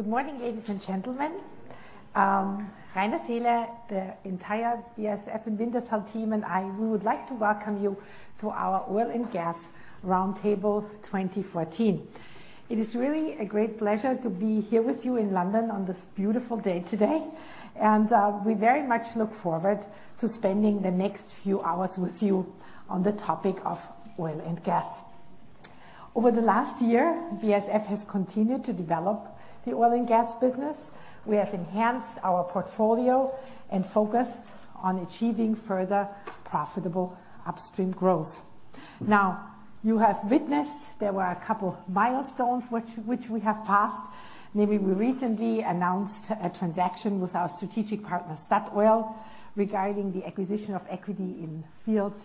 Good morning, ladies and gentlemen. Rainer Seele, the entire BASF and Wintershall team and I, we would like to welcome you to our Oil and Gas Roundtable 2014. It is really a great pleasure to be here with you in London on this beautiful day today, and we very much look forward to spending the next few hours with you on the topic of oil and gas. Over the last year, BASF has continued to develop the oil and gas business. We have enhanced our portfolio and focus on achieving further profitable upstream growth. Now, you have witnessed there were a couple milestones which we have passed. Maybe we recently announced a transaction with our strategic partner, Statoil, regarding the acquisition of equity in fields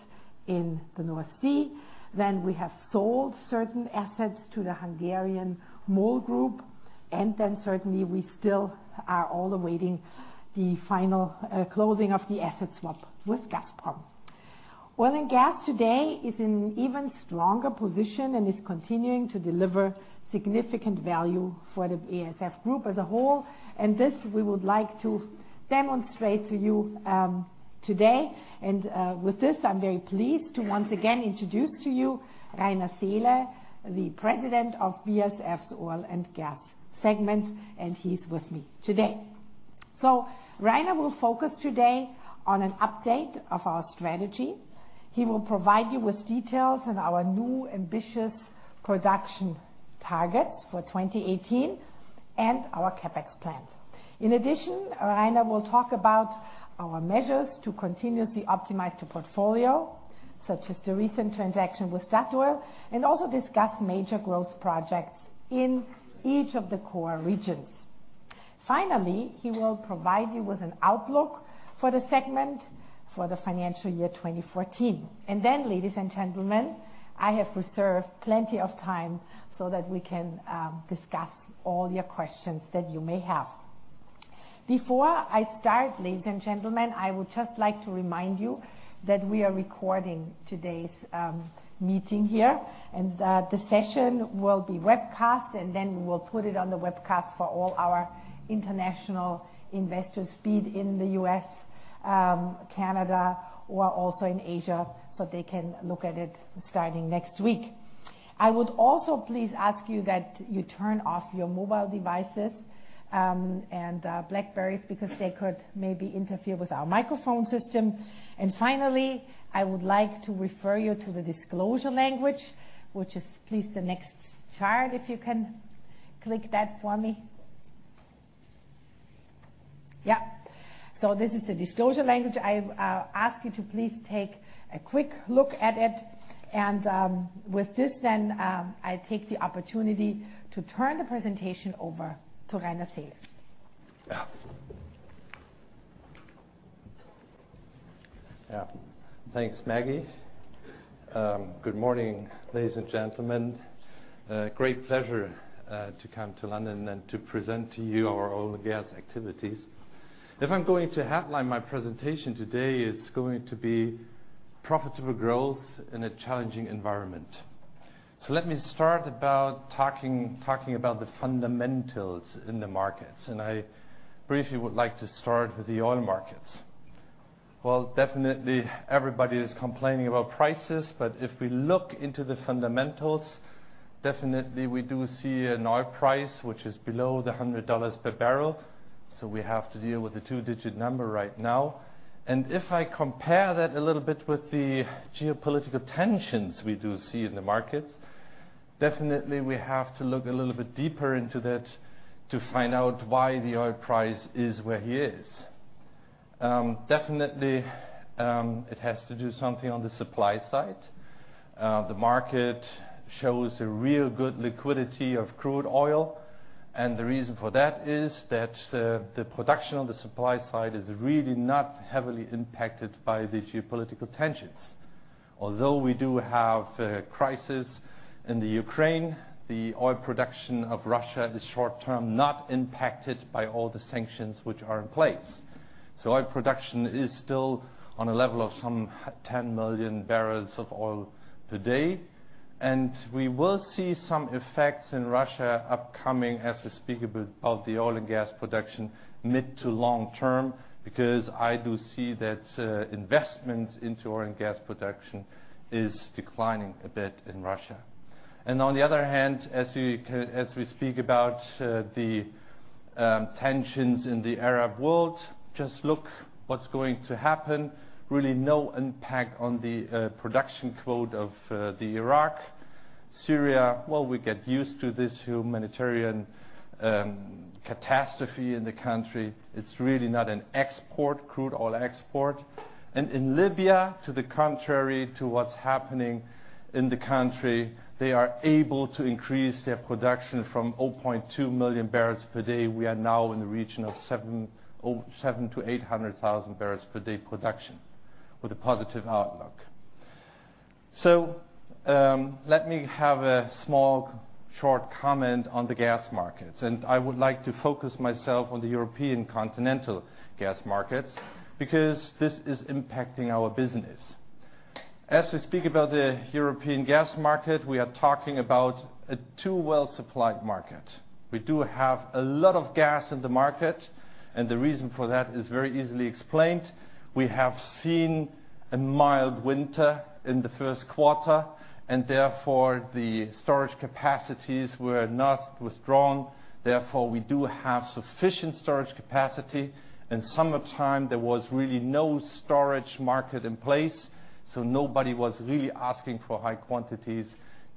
in the North Sea. We have sold certain assets to the Hungarian MOL Group, and then certainly we still are all awaiting the final closing of the asset swap with Gazprom. Oil and gas today is in even stronger position and is continuing to deliver significant value for the BASF Group as a whole, and this we would like to demonstrate to you today. With this, I'm very pleased to once again introduce to you Rainer Seele, the President of BASF's Oil and Gas segment, and he's with me today. Rainer will focus today on an update of our strategy. He will provide you with details on our new ambitious production targets for 2018 and our CapEx plan. In addition, Rainer will talk about our measures to continuously optimize the portfolio, such as the recent transaction with Statoil, and also discuss major growth projects in each of the core regions. Finally, he will provide you with an outlook for the segment for the financial year 2014. Ladies and gentlemen, I have reserved plenty of time so that we can discuss all your questions that you may have. Before I start, ladies and gentlemen, I would just like to remind you that we are recording today's meeting here and that the session will be webcast, and then we'll put it on the webcast for all our international investors be it in the U.S., Canada or also in Asia, so they can look at it starting next week. I would also please ask you that you turn off your mobile devices and BlackBerrys because they could maybe interfere with our microphone system. Finally, I would like to refer you to the disclosure language, which is please the next chart if you can click that for me. Yeah. This is the disclosure language. I ask you to please take a quick look at it and, with this then, I take the opportunity to turn the presentation over to Rainer Seele. Yeah. Yeah. Thanks, Maggie. Good morning, ladies and gentlemen. Great pleasure to come to London and to present to you our oil and gas activities. If I'm going to headline my presentation today, it's going to be profitable growth in a challenging environment. Let me start about talking about the fundamentals in the markets, and I briefly would like to start with the oil markets. Well, definitely everybody is complaining about prices, but if we look into the fundamentals, definitely we do see an oil price which is below $100 per barrel, so we have to deal with a two-digit number right now. If I compare that a little bit with the geopolitical tensions we do see in the markets, definitely we have to look a little bit deeper into that to find out why the oil price is where it is. Definitely, it has to do something on the supply side. The market shows a real good liquidity of crude oil, and the reason for that is that the production on the supply side is really not heavily impacted by the geopolitical tensions. Although we do have a crisis in Ukraine, the oil production of Russia is short term not impacted by all the sanctions which are in place. So oil production is still on a level of some 10 million barrels of oil per day. We will see some effects in Russia upcoming as we speak about the oil and gas production mid to long term because I do see that investments into oil and gas production is declining a bit in Russia. On the other hand, as we speak about the tensions in the Arab world, just look what's going to happen, really no impact on the production quota of Iraq. Syria, well, we get used to this humanitarian catastrophe in the country. It's really not exporting crude oil. In Libya, to the contrary to what's happening in the country, they are able to increase their production from 0.2 MMbpd. We are now in the region of 0.7 MMbpd-0.8 MMbpd production with a positive outlook. Let me have a small short comment on the gas markets, and I would like to focus myself on the European continental gas markets because this is impacting our business. As we speak about the European gas market, we are talking about a too well-supplied market. We do have a lot of gas in the market, and the reason for that is very easily explained. We have seen a mild winter in the first quarter, and therefore, the storage capacities were not withdrawn; therefore, we do have sufficient storage capacity. In summertime, there was really no storage market in place, so nobody was really asking for high quantities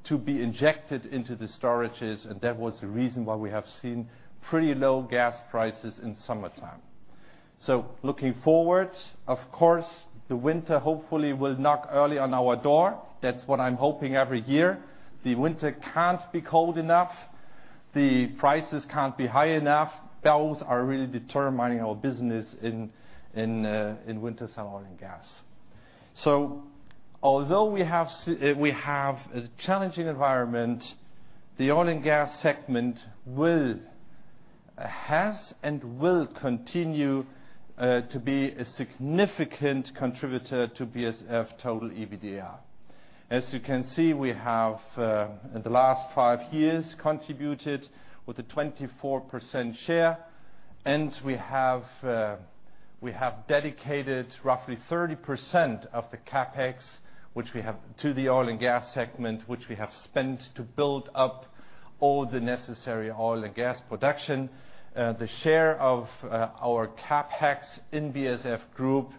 to be injected into the storages, and that was the reason why we have seen pretty low gas prices in summertime. Looking forward, of course, the winter hopefully will knock early on our door. That's what I'm hoping every year. The winter can't be cold enough; the prices can't be high enough. Those are really determining our business in Wintershall oil and gas. Although we have a challenging environment, the oil and gas segment will has and will continue to be a significant contributor to BASF total EBITDA. As you can see, we have in the last five years contributed with a 24% share, and we have dedicated roughly 30% of the CapEx, which we have to the oil and gas segment, which we have spent to build up all the necessary oil and gas production. The share of our CapEx in BASF Group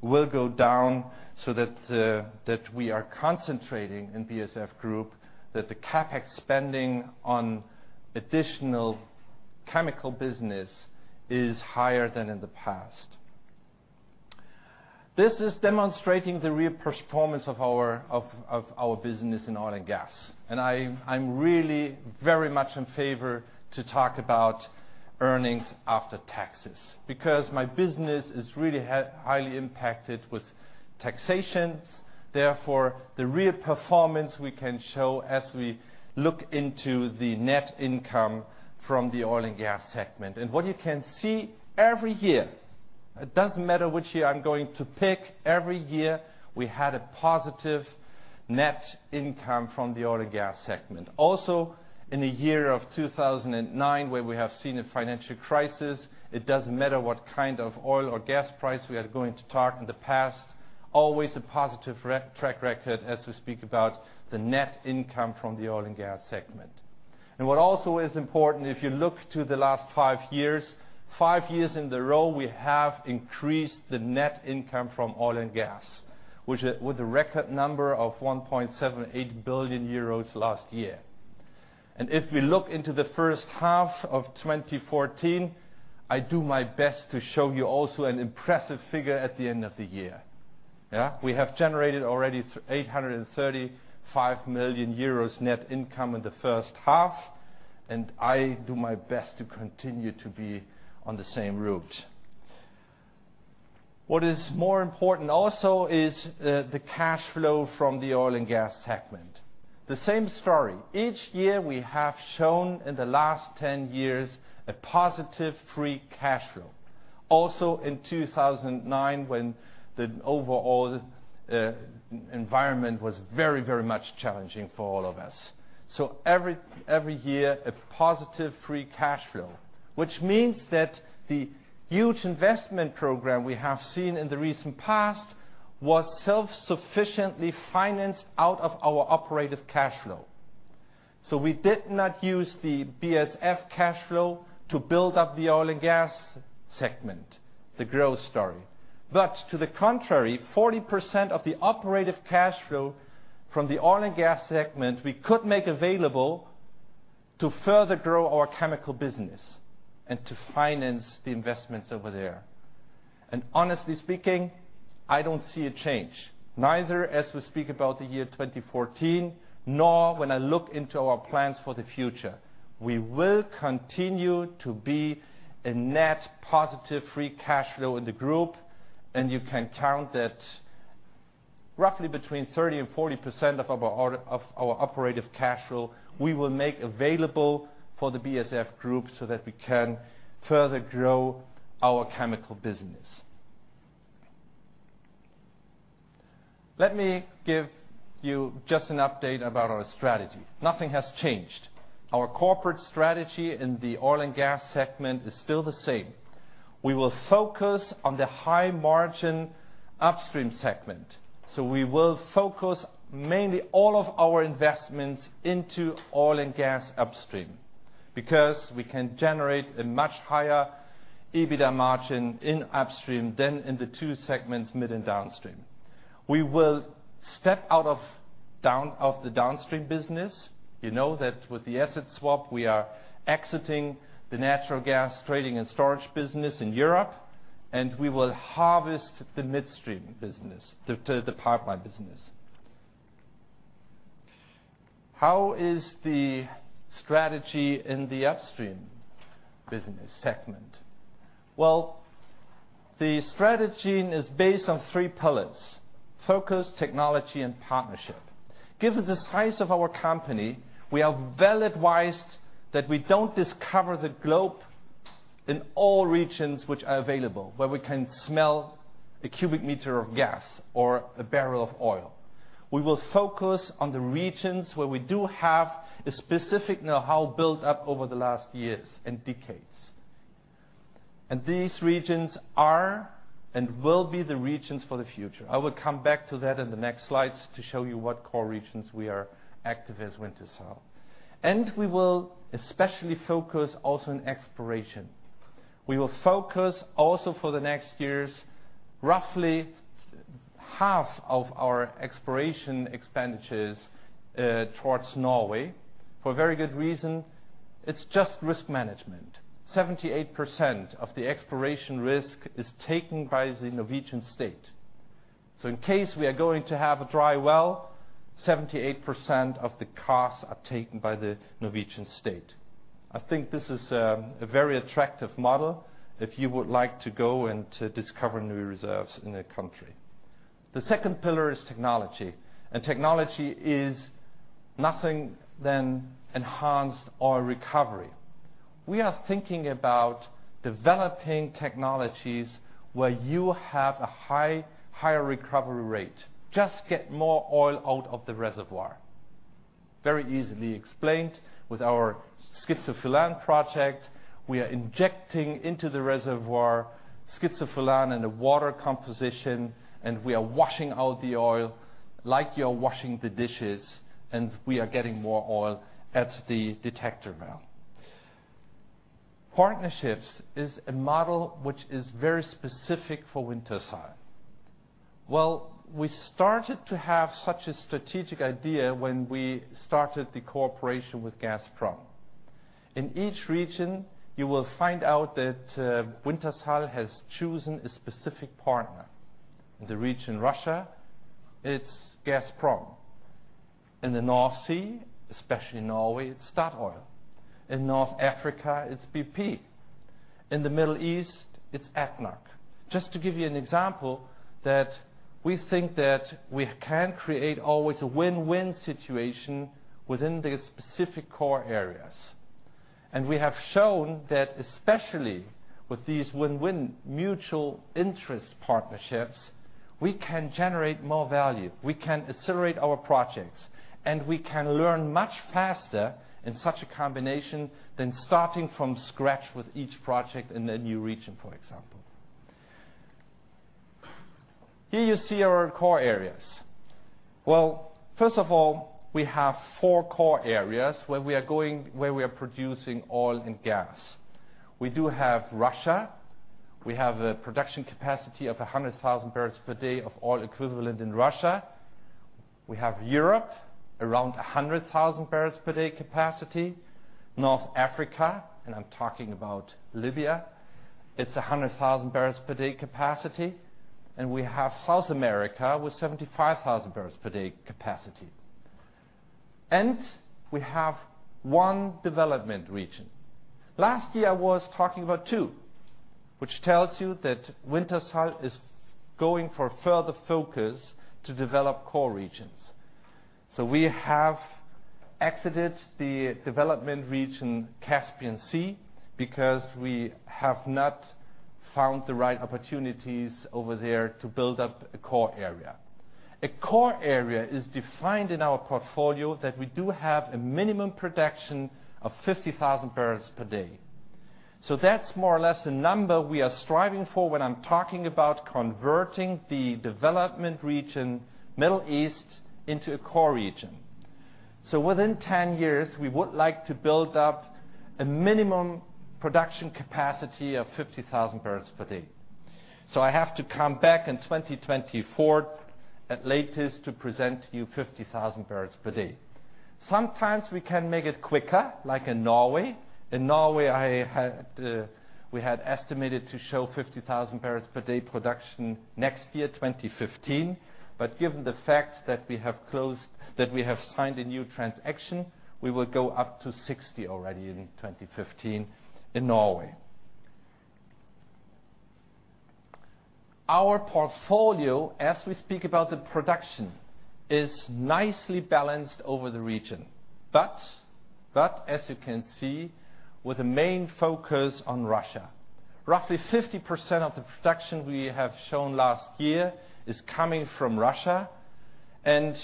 will go down so that we are concentrating in BASF Group that the CapEx spending on additional chemical business is higher than in the past. This is demonstrating the real performance of our business in oil and gas. I'm really very much in favor to talk about earnings after taxes because my business is really highly impacted with taxation. Therefore, the real performance we can show as we look into the net income from the Oil and Gas segment. What you can see every year, it doesn't matter which year I'm going to pick, every year we had a positive net income from the Oil and Gas segment. Also, in the year 2009, where we have seen a financial crisis, it doesn't matter what kind of oil or gas price we are going to talk in the past, always a positive track record as we speak about the net income from the oil and gas segment. What also is important, if you look to the last five years, five years in a row, we have increased the net income from oil and gas, which with a record number of 1.78 billion euros last year. If we look into the first half of 2014, I do my best to show you also an impressive figure at the end of the year. We have generated already 835 million euros net income in the first half, and I do my best to continue to be on the same route. What is more important also is the cash flow from the oil and gas segment. The same story. Each year we have shown in the last 10 years a positive free cash flow. Also in 2009, when the overall environment was very, very much challenging for all of us. Every year, a positive free cash flow, which means that the huge investment program we have seen in the recent past was self-sufficiently financed out of our operative cash flow. We did not use the BASF cash flow to build up the oil and gas segment, the growth story. To the contrary, 40% of the operative cash flow from the oil and gas segment we could make available to further grow our chemical business and to finance the investments over there. Honestly speaking, I don't see a change, neither as we speak about the year 2014, nor when I look into our plans for the future. We will continue to be a net positive free cash flow in the group, and you can count that roughly 30%-40% of our operative cash flow we will make available for the BASF Group so that we can further grow our chemical business. Let me give you just an update about our strategy. Nothing has changed. Our corporate strategy in the oil and gas segment is still the same. We will focus on the high margin upstream segment. We will focus mainly all of our investments into oil and gas upstream because we can generate a much higher EBITDA margin in upstream than in the two segments, mid and downstream. We will step out of the downstream business. You know that with the asset swap, we are exiting the natural gas trading and storage business in Europe, and we will harvest the midstream business, the pipeline business. How is the strategy in the upstream business segment? Well, the strategy is based on three pillars: focus, technology, and partnership. Given the size of our company, we are well advised that we don't discover the globe in all regions which are available, where we can smell a cubic meter of gas or a barrel of oil. We will focus on the regions where we do have a specific know-how built up over the last years and decades. These regions are and will be the regions for the future. I will come back to that in the next slides to show you what core regions we are active as Wintershall. We will especially focus also on exploration. We will focus also for the next years, roughly half of our exploration expenditures towards Norway for a very good reason. It's just risk management. 78% of the exploration risk is taken by the Norwegian state. In case we are going to have a dry well, 78% of the costs are taken by the Norwegian state. I think this is a very attractive model if you would like to go and to discover new reserves in a country. The second pillar is technology. Technology is nothing than enhanced oil recovery. We are thinking about developing technologies where you have a high recovery rate. Just get more oil out of the reservoir. Very easily explained with our schizophyllan project, we are injecting into the reservoir schizophyllan in a water composition, and we are washing out the oil like you're washing the dishes, and we are getting more oil at the detector well. Partnerships is a model which is very specific for Wintershall. Well, we started to have such a strategic idea when we started the cooperation with Gazprom. In each region, you will find out that Wintershall has chosen a specific partner. In the region Russia, it's Gazprom. In the North Sea, especially Norway, it's Statoil. In North Africa, it's BP. In the Middle East, it's ADNOC. Just to give you an example that we think that we can create always a win-win situation within the specific core areas. We have shown that especially with these win-win mutual interest partnerships, we can generate more value, we can accelerate our projects, and we can learn much faster in such a combination than starting from scratch with each project in a new region, for example. Here you see our core areas. Well, first of all, we have four core areas where we are producing oil and gas. We do have Russia. We have a production capacity of 0.1 MMbpd of oil equivalent in Russia. We have Europe, around 0.1 MMbpd capacity. North Africa, and I'm talking about Libya, it's 0.1 MMbpd capacity. We have South America with 0.075 MMbpd capacity. We have one development region. Last year, I was talking about two, which tells you that Wintershall is going for further focus to develop core regions. We have exited the development region Caspian Sea because we have not found the right opportunities over there to build up a core area. A core area is defined in our portfolio that we do have a minimum production of 0.05 MMbpd. That's more or less the number we are striving for when I'm talking about converting the development region, Middle East, into a core region. Within 10 years, we would like to build up a minimum production capacity of 0.05 MMbpd. I have to come back in 2024 at latest to present you 0.05 MMbpd. Sometimes we can make it quicker, like in Norway. In Norway, we had estimated to show 0.05 MMbpd production next year, 2015. Given the fact that we have signed a new transaction, we will go up to 0.06 MMbpd already in 2015 in Norway. Our portfolio, as we speak about the production, is nicely balanced over the region. As you can see, with a main focus on Russia. Roughly 50% of the production we have shown last year is coming from Russia, and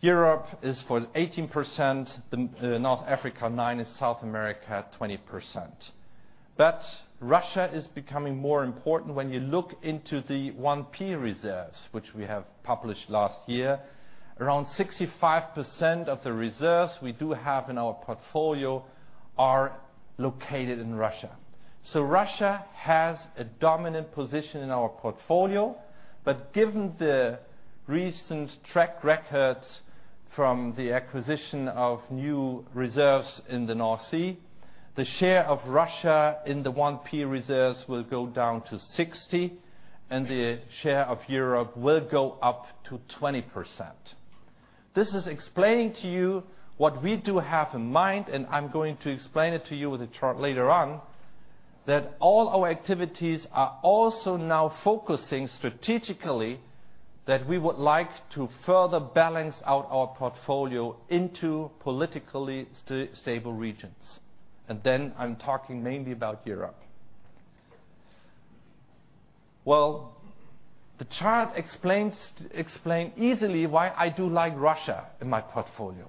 Europe is for 18%, North Africa 9%, and South America 20%. Russia is becoming more important when you look into the 1P reserves, which we have published last year. Around 65% of the reserves we do have in our portfolio are located in Russia. Russia has a dominant position in our portfolio. Given the recent track records from the acquisition of new reserves in the North Sea, the share of Russia in the 1P reserves will go down to 60%, and the share of Europe will go up to 20%. This is explaining to you what we do have in mind, and I'm going to explain it to you with a chart later on, that all our activities are also now focusing strategically. That we would like to further balance out our portfolio into politically stable regions. Then I'm talking mainly about Europe. Well, the chart explains easily why I do like Russia in my portfolio.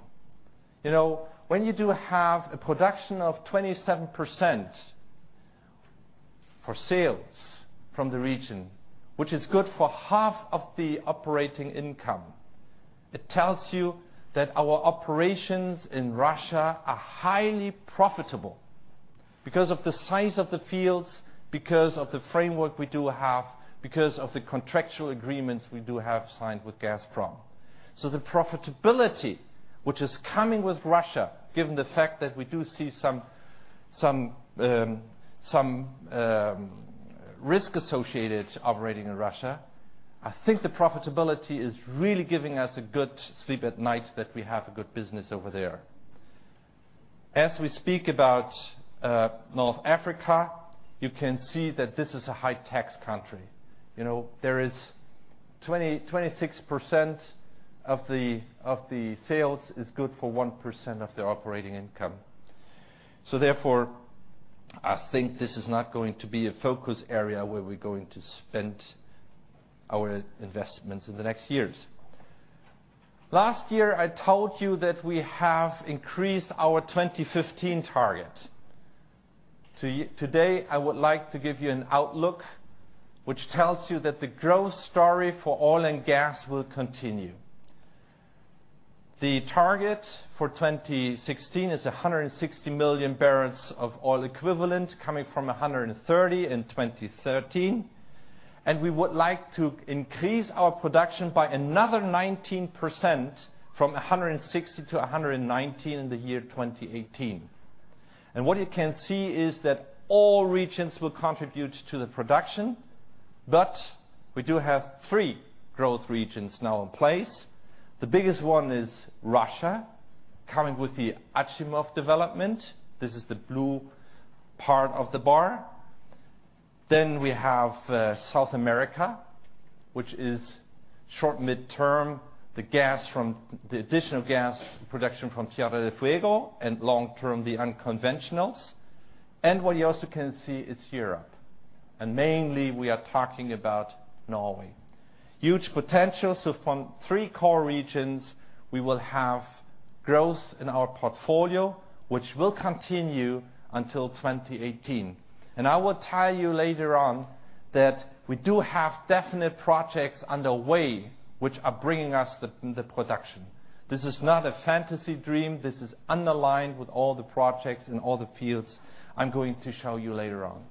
You know, when you do have a production of 27% for sales from the region, which is good for half of the operating income, it tells you that our operations in Russia are highly profitable because of the size of the fields, because of the framework we do have, because of the contractual agreements we do have signed with Gazprom. The profitability which is coming with Russia, given the fact that we do see some risk associated to operating in Russia, I think the profitability is really giving us a good sleep at night that we have a good business over there. As we speak about North Africa, you can see that this is a high-tax country. You know, there is 26% of the sales is good for 1% of the operating income. Therefore, I think this is not going to be a focus area where we're going to spend our investments in the next years. Last year, I told you that we have increased our 2015 target. Today, I would like to give you an outlook which tells you that the growth story for oil and gas will continue. The target for 2016 is 160 million barrels of oil equivalent, coming from 130 million barrels of oil equivalent in 2013. We would like to increase our production by another 19% from 160 million barrels of oil equivalent to 190 million barrels of oil equivalent in the year 2018. What you can see is that all regions will contribute to the production, but we do have three growth regions now in place. The biggest one is Russia, coming with the Achimov development. This is the blue part of the bar. We have South America, which is short and midterm, the gas from the additional gas production from Tierra del Fuego, and long-term, the unconventionals. What you also can see is Europe, and mainly we are talking about Norway. Huge potential. From three core regions, we will have growth in our portfolio, which will continue until 2018. I will tell you later on that we do have definite projects underway which are bringing us the production. This is not a fantasy dream. This is underlined with all the projects in all the fields I'm going to show you later on.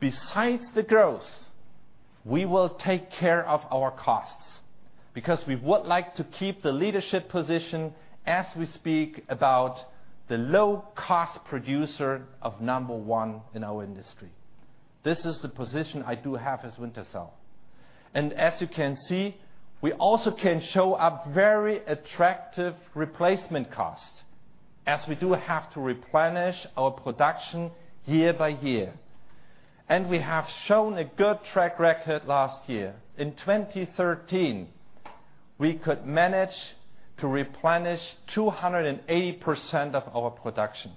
Besides the growth, we will take care of our costs because we would like to keep the leadership position as we speak about the low-cost producer of number one in our industry. This is the position I do have as Wintershall. As you can see, we also can show a very attractive replacement cost as we do have to replenish our production year by year. We have shown a good track record last year. In 2013, we could manage to replenish 280% of our production.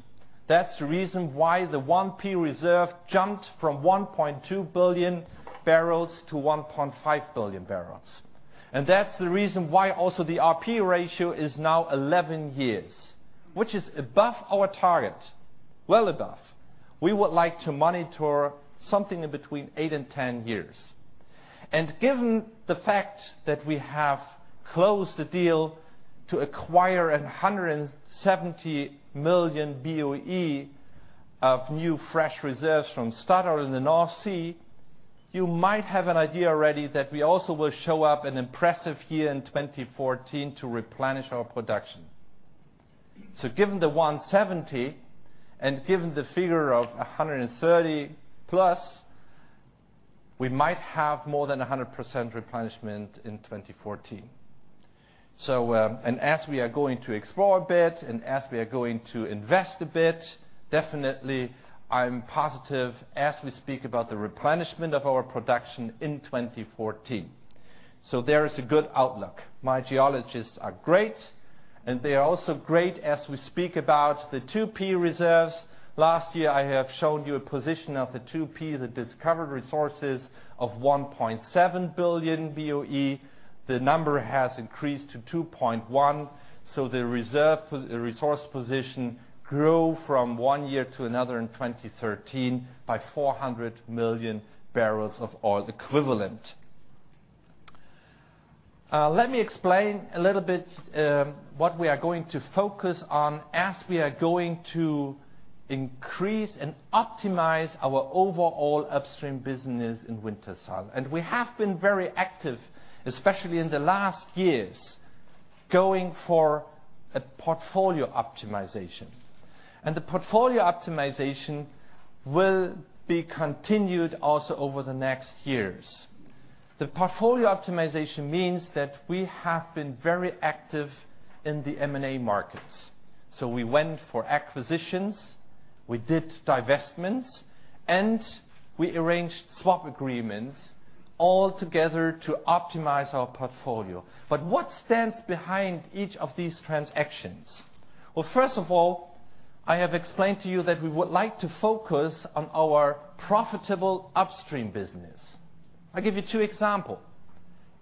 That's the reason why the 1P reserve jumped from 1.2 billion barrels to 1.5 billion barrels. That's the reason why also the R/P ratio is now 11 years, which is above our target. Well above. We would like to monitor something in between 8 years-10 years. Given the fact that we have closed the deal to acquire 170 million BOE of new fresh reserves from Statoil in the North Sea, you might have an idea already that we also will show up an impressive year in 2014 to replenish our production. Given the 170 million BOE and given the figure of 130 million barrels+, we might have more than 100% replenishment in 2014. As we are going to explore a bit and as we are going to invest a bit, definitely, I'm positive as we speak about the replenishment of our production in 2014. There is a good outlook. My geologists are great, and they are also great as we speak about the 2P reserves. Last year, I have shown you a position of the 2P, the discovered resources of 1.7 billion BOE. The number has increased to 2.1 billion BOE, so the resource position grow from one year to another in 2013 by 400 million barrels of oil equivalent. Let me explain a little bit what we are going to focus on as we are going to increase and optimize our overall upstream business in Wintershall. We have been very active, especially in the last years, going for a portfolio optimization, and the portfolio optimization will be continued also over the next years. The portfolio optimization means that we have been very active in the M&A markets. We went for acquisitions. We did divestments, and we arranged swap agreements all together to optimize our portfolio. What stands behind each of these transactions? Well, first of all, I have explained to you that we would like to focus on our profitable upstream business. I'll give you two examples.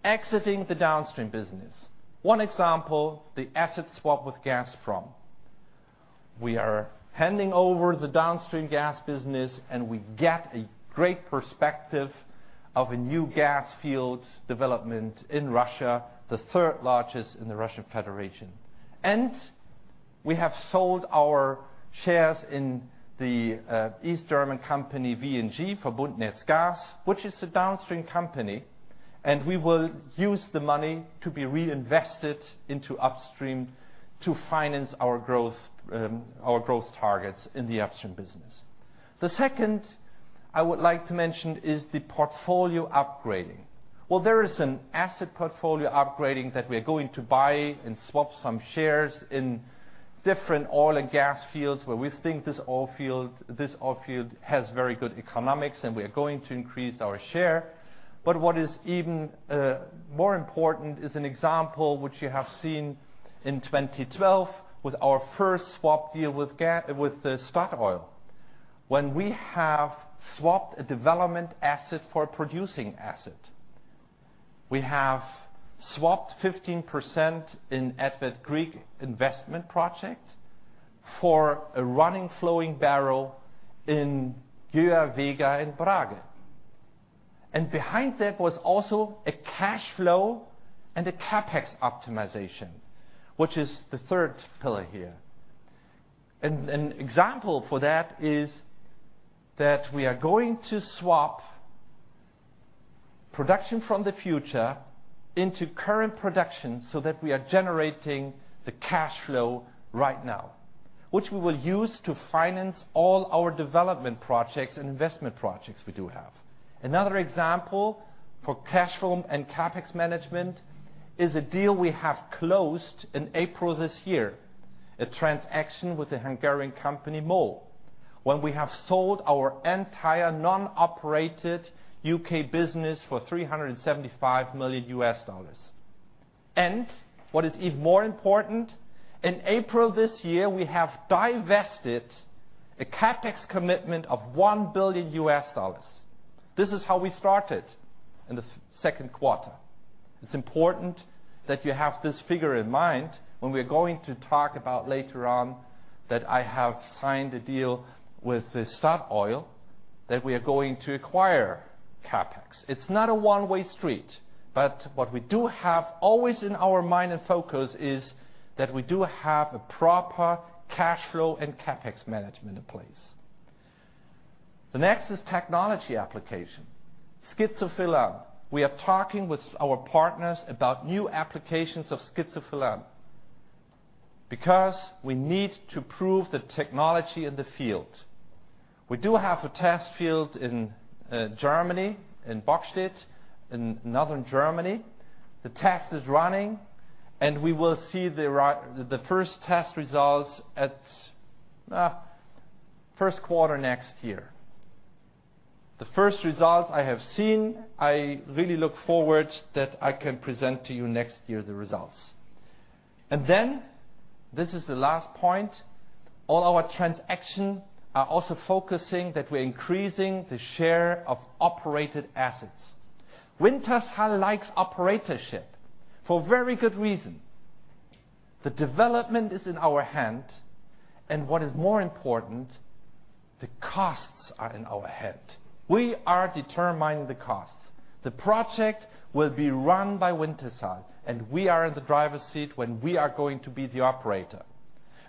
Exiting the downstream business. One example, the asset swap with Gazprom. We are handing over the downstream gas business, and we get a great perspective of a new gas field development in Russia, the third largest in the Russian Federation. We have sold our shares in the East German company, VNG, Verbundnetz Gas, which is a downstream company, and we will use the money to be reinvested into upstream to finance our growth, our growth targets in the upstream business. The second I would like to mention is the portfolio upgrading. Well, there is an asset portfolio upgrading that we're going to buy and swap some shares in different oil and gas fields, where we think this oil field has very good economics, and we're going to increase our share. What is even more important is an example which you have seen in 2012 with our first swap deal with Statoil. When we have swapped a development asset for a producing asset. We have swapped 15% in Edvard Grieg investment project for a running, flowing barrel in Gjøa/Vega in Brage. Behind that was also a cash flow and a CapEx optimization, which is the third pillar here. An example for that is that we are going to swap production from the future into current production so that we are generating the cash flow right now, which we will use to finance all our development projects and investment projects we do have. Another example for cash flow and CapEx management is a deal we have closed in April this year, a transaction with a Hungarian company, MOL, when we have sold our entire non-operated U.K. business for $375 million. What is even more important, in April this year, we have divested a CapEx commitment of $1 billion. This is how we started in the second quarter. It's important that you have this figure in mind when we're going to talk about later on that I have signed a deal with Statoil that we are going to acquire CapEx. It's not a one-way street, but what we do have always in our mind and focus is that we do have a proper cash flow and CapEx management in place. The next is technology application. Schizophyllan. We are talking with our partners about new applications of schizophyllan because we need to prove the technology in the field. We do have a test field in Germany, in Bockstedt, in northern Germany. The test is running, and we will see the first test results at first quarter next year. The first results I have seen, I really look forward that I can present to you next year the results. This is the last point: all our transactions are also focusing that we're increasing the share of operated assets. Wintershall likes operatorship for very good reason. The development is in our hands, and what is more important, the costs are in our hands. We are determining the costs. The project will be run by Wintershall, and we are in the driver's seat when we are going to be the operator.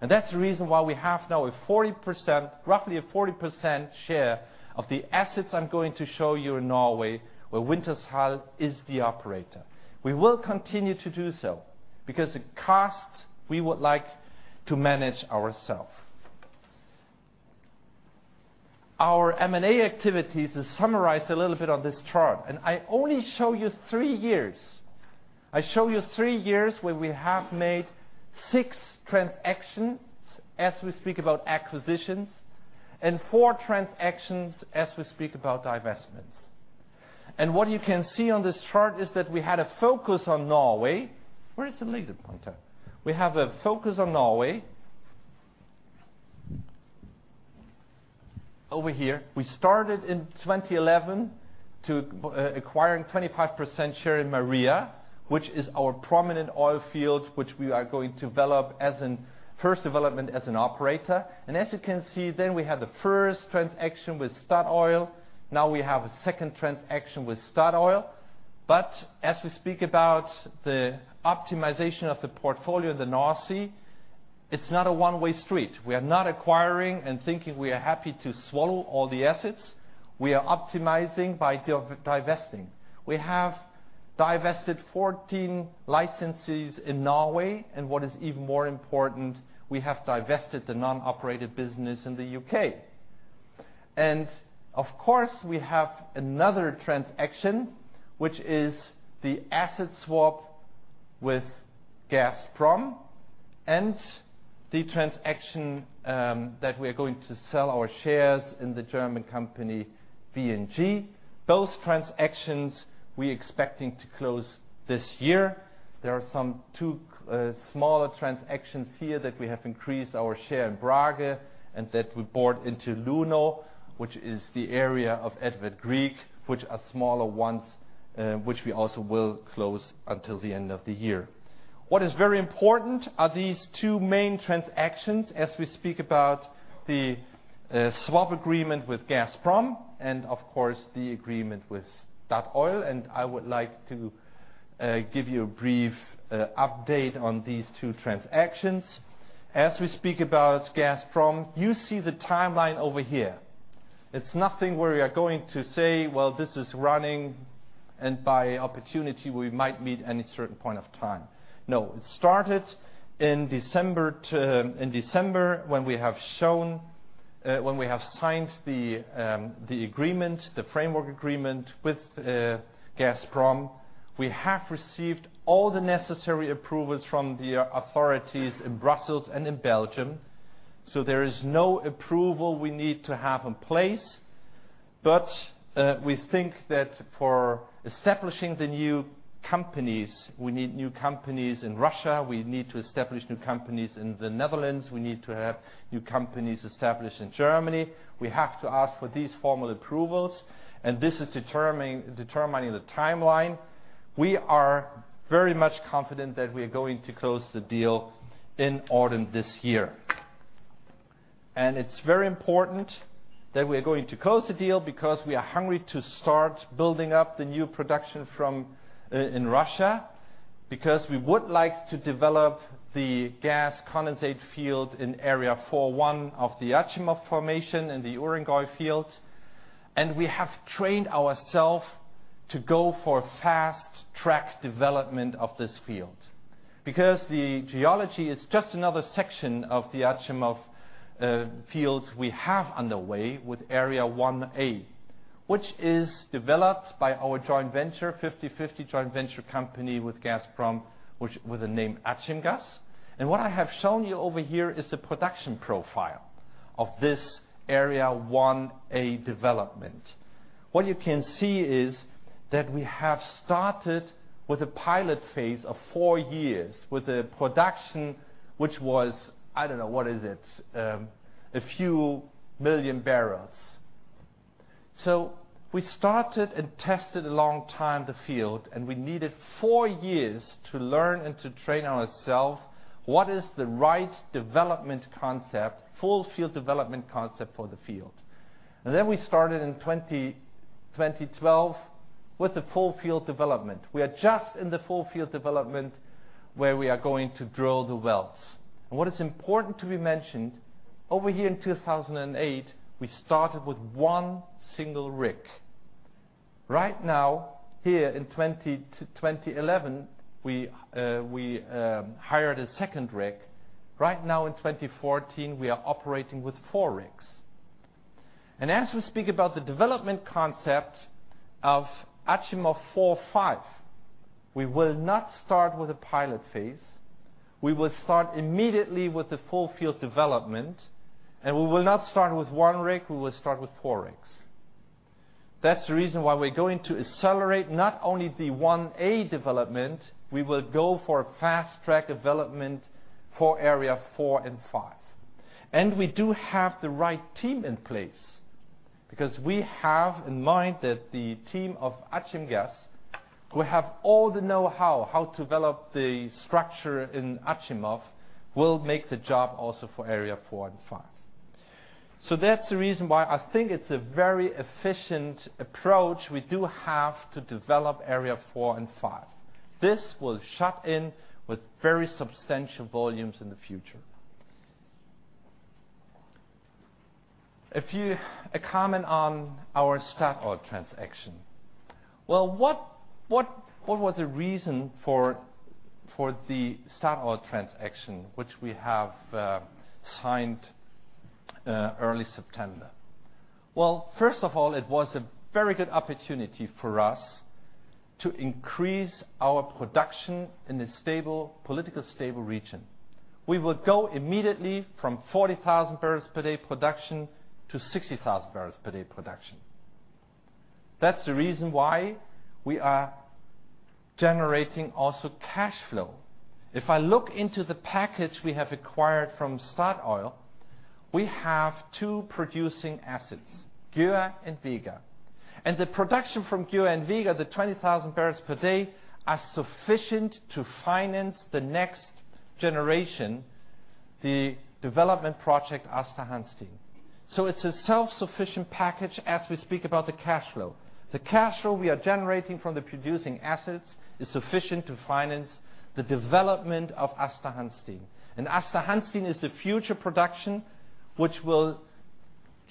That's the reason why we have now a 40%, roughly a 40% share of the assets I'm going to show you in Norway, where Wintershall is the operator. We will continue to do so because the costs we would like to manage ourselves. Our M&A activities are summarized a little bit on this chart, and I only show you three years. I show you three years where we have made six transactions as we speak about acquisitions, and four transactions as we speak about divestments. What you can see on this chart is that we had a focus on Norway. Where is the laser pointer? We have a focus on Norway. Over here. We started in 2011 to acquiring 25% share in Maria, which is our prominent oil field, which we are going to develop as in first development as an operator. As you can see, then we have the first transaction with Statoil. Now we have a second transaction with Statoil. As we speak about the optimization of the portfolio in the North Sea, it's not a one-way street. We are not acquiring and thinking we are happy to swallow all the assets. We are optimizing by divesting. We have divested 14 licenses in Norway, and what is even more important, we have divested the non-operated business in the U.K. Of course, we have another transaction, which is the asset swap with Gazprom, and the transaction that we are going to sell our shares in the German company VNG. Those transactions we expecting to close this year. There are some two smaller transactions here that we have increased our share in Brage, and that we bought into Luno, which is the area of Edvard Grieg, which are smaller ones, which we also will close until the end of the year. What is very important are these two main transactions as we speak about the swap agreement with Gazprom and of course, the agreement with Statoil, and I would like to give you a brief update on these two transactions. As we speak about Gazprom, you see the timeline over here. It's nothing where we are going to say, "Well, this is running, and by opportunity we might meet any certain point of time." No. It started in December, when we have signed the agreement, the framework agreement with Gazprom. We have received all the necessary approvals from the authorities in Brussels and in Belgium, so there is no approval we need to have in place. We think that for establishing the new companies, we need new companies in Russia, we need to establish new companies in the Netherlands, we need to have new companies established in Germany. We have to ask for these formal approvals, and this is determining the timeline. We are very much confident that we are going to close the deal in autumn this year. It's very important that we are going to close the deal because we are hungry to start building up the new production from in Russia because we would like to develop the gas condensate field in Area 41 of the Achimov formation in the Urengoy field. We have trained ourself to go for fast-track development of this field. The geology is just another section of the Achimov fields we have underway with Area 1A, which is developed by our 50/50 joint venture company with Gazprom, which with the name Achimgaz. What I have shown you over here is the production profile of this Area 1A development. What you can see is that we have started with a pilot phase of four years with a production which was a few million barrels. We started and tested a long time the field, and we needed four years to learn and to train ourselves what is the right development concept, full field development concept for the field. Then we started in 2012 with the full field development. We are just in the full field development where we are going to drill the wells. What is important to be mentioned, over here in 2008, we started with one single rig. Right now, here in 2011, we hired a second rig. Right now in 2014, we are operating with four rigs. As we speak about the development concept of Achimov 4A/5A, we will not start with a pilot phase. We will start immediately with the full field development, and we will not start with one rig, we will start with four rigs. That's the reason why we're going to accelerate not only the Area 1A development, we will go for a fast-track development for Area 4A/5A. We do have the right team in place, because we have in mind that the team of Achimgaz, who have all the know-how how to develop the structure in Achimov, will make the job also for Area 4A/5A. That's the reason why I think it's a very efficient approach we do have to develop Area 4A/5A. This will shut in with very substantial volumes in the future. A comment on our Statoil transaction. Well, what was the reason for the Statoil transaction, which we have signed early September? Well, first of all, it was a very good opportunity for us to increase our production in a stable, politically stable region. We will go immediately from 40,000 barrels per day production to 60,000 barrels per day production. That's the reason why we are generating also cash flow. If I look into the package we have acquired from Statoil, we have two producing assets, Gjøa and Vega. The production from Gjøa and Vega, the 20,000 barrels per day, are sufficient to finance the next generation, the development project, Aasta Hansteen. It's a self-sufficient package as we speak about the cash flow. The cash flow we are generating from the producing assets is sufficient to finance the development of Aasta Hansteen. Aasta Hansteen is the future production which will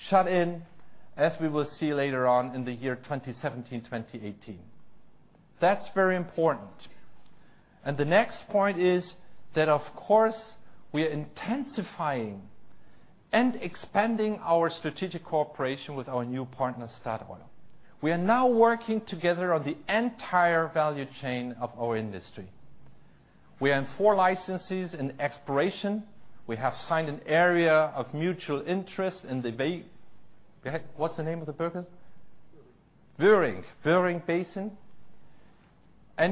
shut in as we will see later on in the year 2017, 2018. That's very important. The next point is that, of course, we are intensifying and expanding our strategic cooperation with our new partner, Statoil. We are now working together on the entire value chain of our industry. We own four licenses in exploration. We have signed an area of mutual interest in the basin. Go ahead, what's the name of the basin? Vøring Basin.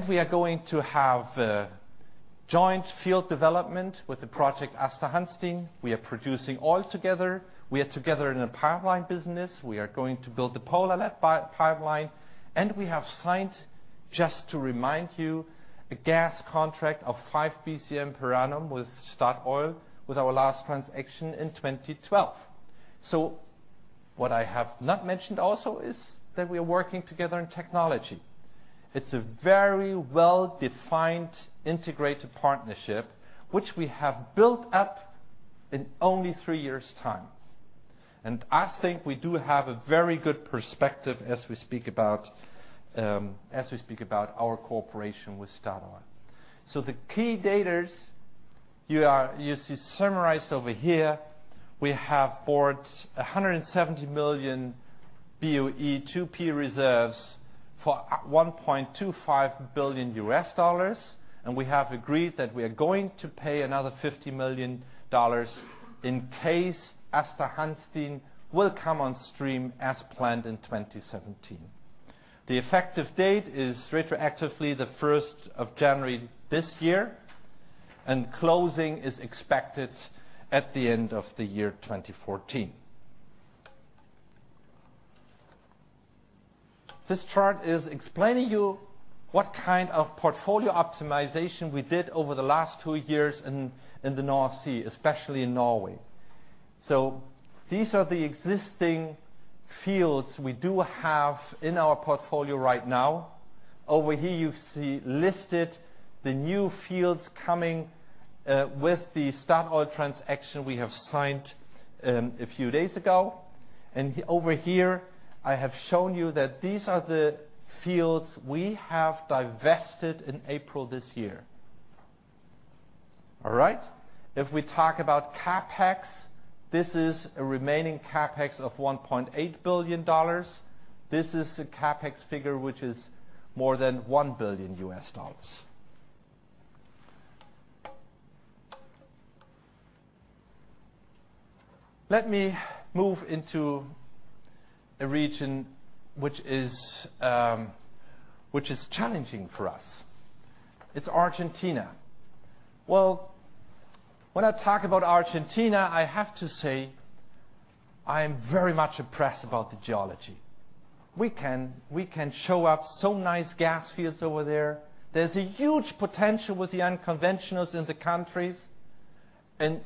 We are going to have joint field development with the project Aasta Hansteen. We are producing oil together. We are together in the pipeline business. We are going to build the Polarled Pipeline, and we have signed, just to remind you, a gas contract of five BCM per annum with Statoil with our last transaction in 2012. What I have not mentioned also is that we are working together in technology. It's a very well-defined integrated partnership which we have built up in only three years' time. I think we do have a very good perspective as we speak about our cooperation with Statoil. The key data you see summarized over here, we have bought 170 million BOE 2P reserves for $1.25 billion, and we have agreed that we are going to pay another $50 million in case Aasta Hansteen will come on stream as planned in 2017. The effective date is retroactively the first of January this year, and closing is expected at the end of the year 2014. This chart is explaining to you what kind of portfolio optimization we did over the last two years in the North Sea, especially in Norway. These are the existing fields we do have in our portfolio right now. Over here, you see listed the new fields coming with the Statoil transaction we have signed a few days ago. Over here, I have shown you that these are the fields we have divested in April this year. All right? If we talk about CapEx, this is a remaining CapEx of $1.8 billion. This is the CapEx figure, which is more than $1 billion. Let me move into a region which is challenging for us. It's Argentina. Well, when I talk about Argentina, I have to say I am very much impressed about the geology. We can show up so nice gas fields over there. There's a huge potential with the unconventionals in the countries.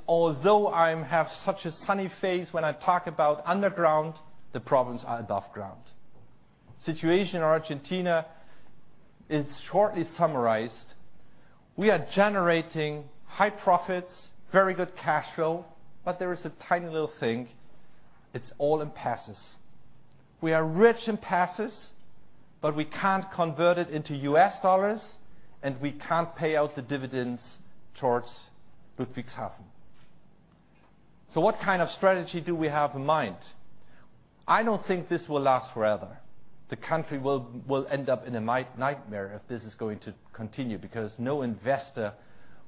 Although I have such a sunny face when I talk about underground, the problems are above ground. Situation in Argentina is shortly summarized. We are generating high profits, very good cash flow, but there is a tiny little thing. It's all in pesos. We are rich in pesos, but we can't convert it into U.S. dollars, and we can't pay out the dividends towards Ludwigshafen. What kind of strategy do we have in mind? I don't think this will last forever. The country will end up in a nightmare if this is going to continue because no investor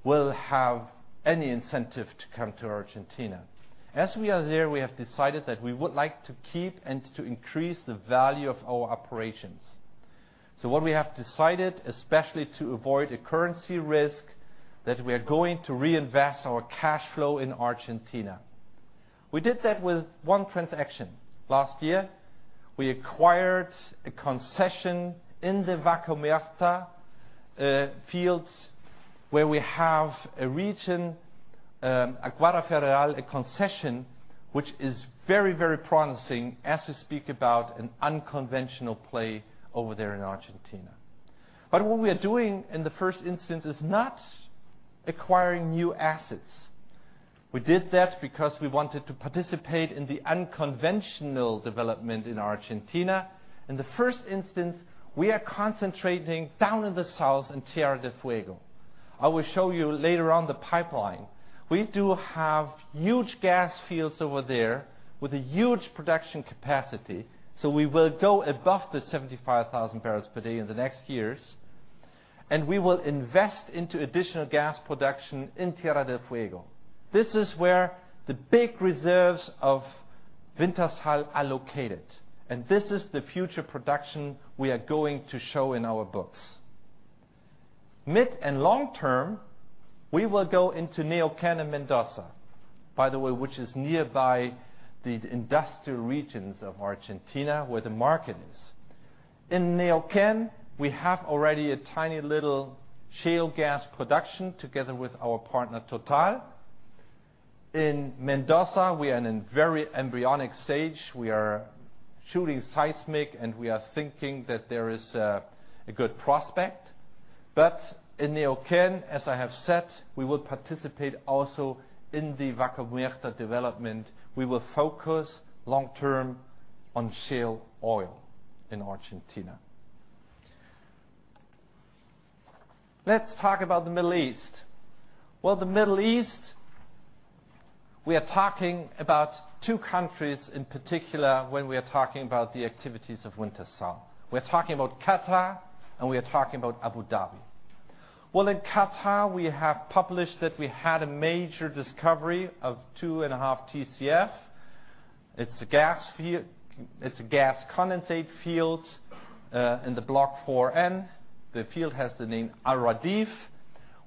will have any incentive to come to Argentina. As we are there, we have decided that we would like to keep and to increase the value of our operations. What we have decided, especially to avoid a currency risk, that we are going to reinvest our cash flow in Argentina. We did that with one transaction. Last year, we acquired a concession in the Vaca Muerta fields, where we have a region, Aguada Federal, a concession which is very, very promising as we speak about an unconventional play over there in Argentina. What we are doing in the first instance is not acquiring new assets. We did that because we wanted to participate in the unconventional development in Argentina. In the first instance, we are concentrating down in the south in Tierra del Fuego. I will show you later on the pipeline. We do have huge gas fields over there with a huge production capacity. We will go above the 0.075 MMbpd in the next years, and we will invest into additional gas production in Tierra del Fuego. This is where the big reserves of Wintershall are located, and this is the future production we are going to show in our books. Mid and long term, we will go into Neuquén and Mendoza, by the way, which is nearby the industrial regions of Argentina where the market is. In Neuquén, we have already a tiny little shale gas production together with our partner, Total. In Mendoza, we are in a very embryonic stage. We are shooting seismic, and we are thinking that there is a good prospect. In Neuquén, as I have said, we will participate also in the Vaca Muerta development. We will focus long term on shale oil in Argentina. Let's talk about the Middle East. Well, the Middle East, we are talking about two countries in particular when we are talking about the activities of Wintershall. We're talking about Qatar, and we are talking about Abu Dhabi. Well, in Qatar, we have published that we had a major discovery of 2.5 TCF. It's a gas condensate field in the Block 4N. The field has the name Al Radeef.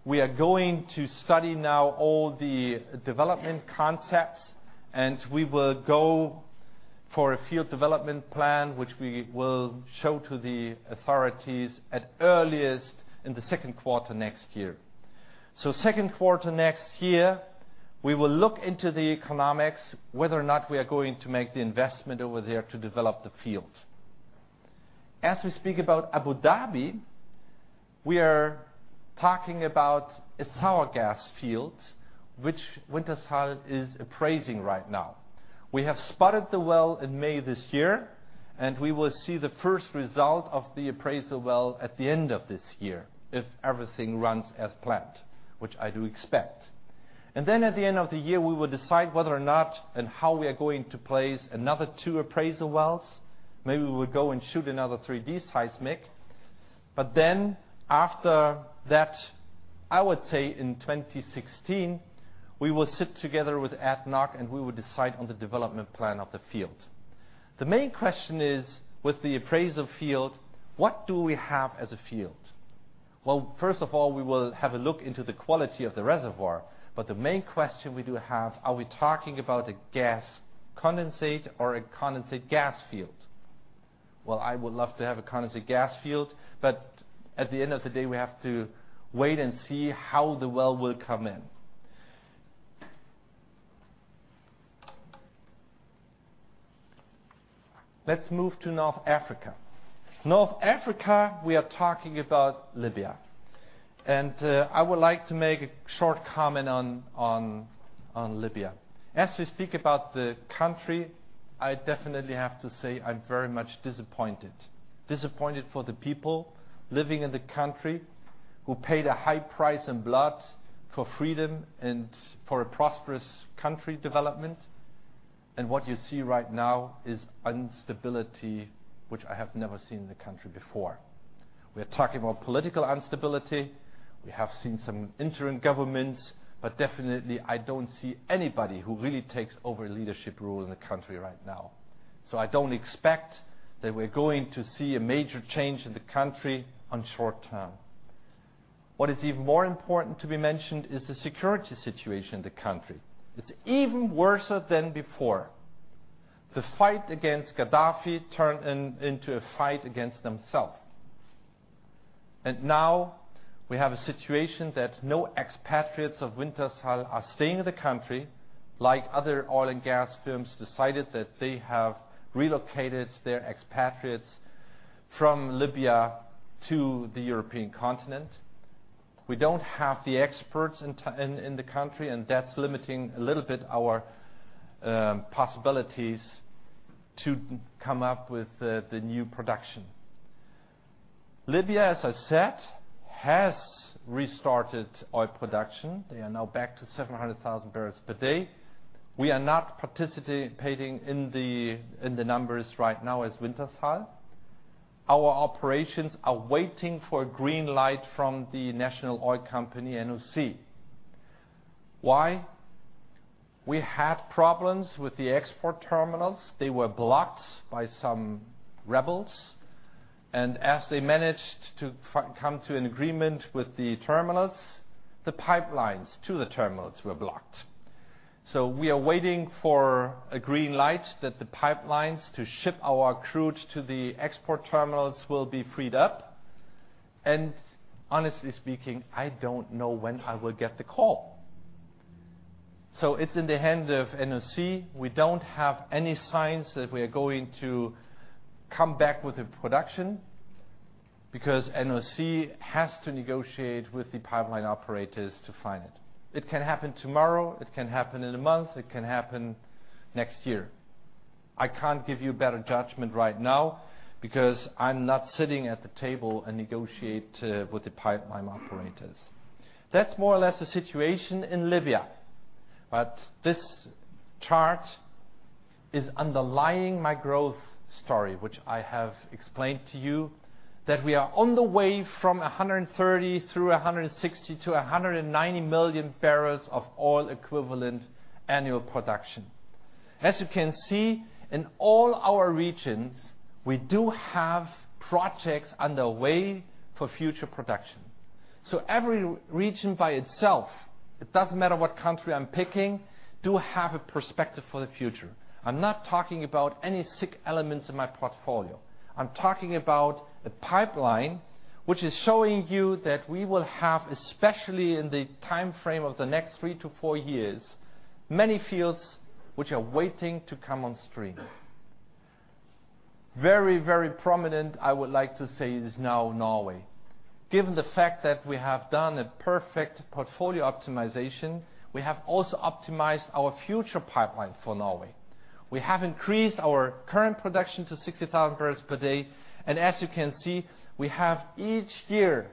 We are going to study now all the development concepts, and we will go for a field development plan, which we will show to the authorities at earliest in the second quarter next year. Second quarter next year, we will look into the economics, whether or not we are going to make the investment over there to develop the field. As we speak about Abu Dhabi, we are talking about a sour gas field, which Wintershall is appraising right now. We have spudded the well in May this year, and we will see the first result of the appraisal well at the end of this year if everything runs as planned, which I do expect. At the end of the year, we will decide whether or not and how we are going to place another two appraisal wells. Maybe we would go and shoot another 3D seismic. After that, I would say in 2016, we will sit together with ADNOC, and we will decide on the development plan of the field. The main question is, with the appraisal field, what do we have as a field? Well, first of all, we will have a look into the quality of the reservoir. The main question we do have, are we talking about a gas condensate or a condensate gas field? Well, I would love to have a condensate gas field, but at the end of the day, we have to wait and see how the well will come in. Let's move to North Africa. North Africa, we are talking about Libya. I would like to make a short comment on Libya. As we speak about the country, I definitely have to say I'm very much disappointed for the people living in the country who paid a high price in blood for freedom and for a prosperous country development. What you see right now is instability, which I have never seen in the country before. We are talking about political instability. We have seen some interim governments, but definitely I don't see anybody who really takes over leadership role in the country right now. I don't expect that we're going to see a major change in the country in the short term. What is even more important to be mentioned is the security situation in the country. It's even worse than before. The fight against Gaddafi turned into a fight against themselves. Now we have a situation that no expatriates of Wintershall are staying in the country, like other oil and gas firms decided that they have relocated their expatriates from Libya to the European continent. We don't have the experts in the country, and that's limiting a little bit our possibilities to come up with the new production. Libya, as I said, has restarted oil production. They are now back to 0.7 MMbpd. We are not participating in the numbers right now as Wintershall. Our operations are waiting for a green light from the National Oil Corporation, NOC. Why? We had problems with the export terminals. They were blocked by some rebels. As they managed to come to an agreement with the terminals, the pipelines to the terminals were blocked. We are waiting for a green light that the pipelines to ship our crude to the export terminals will be freed up. Honestly speaking, I don't know when I will get the call. It's in the hand of NOC. We don't have any signs that we are going to come back with the production because NOC has to negotiate with the pipeline operators to find it. It can happen tomorrow, it can happen in a month, it can happen next year. I can't give you better judgment right now because I'm not sitting at the table and negotiate with the pipeline operators. That's more or less the situation in Libya. This chart is underlying my growth story, which I have explained to you that we are on the way from 130 million barrels of oil equivalent through 160 million barrels of oil equivalent to 190 million barrels of oil equivalent annual production. As you can see, in all our regions, we do have projects underway for future production. Every region by itself, it doesn't matter what country I'm picking, do have a perspective for the future. I'm not talking about any risk elements in my portfolio. I'm talking about a pipeline which is showing you that we will have, especially in the time frame of the next 3 years-4 years, many fields which are waiting to come on stream. Very, very prominent, I would like to say, is now Norway. Given the fact that we have done a perfect portfolio optimization, we have also optimized our future pipeline for Norway. We have increased our current production to 0.06 MMbpd, and as you can see, we have each year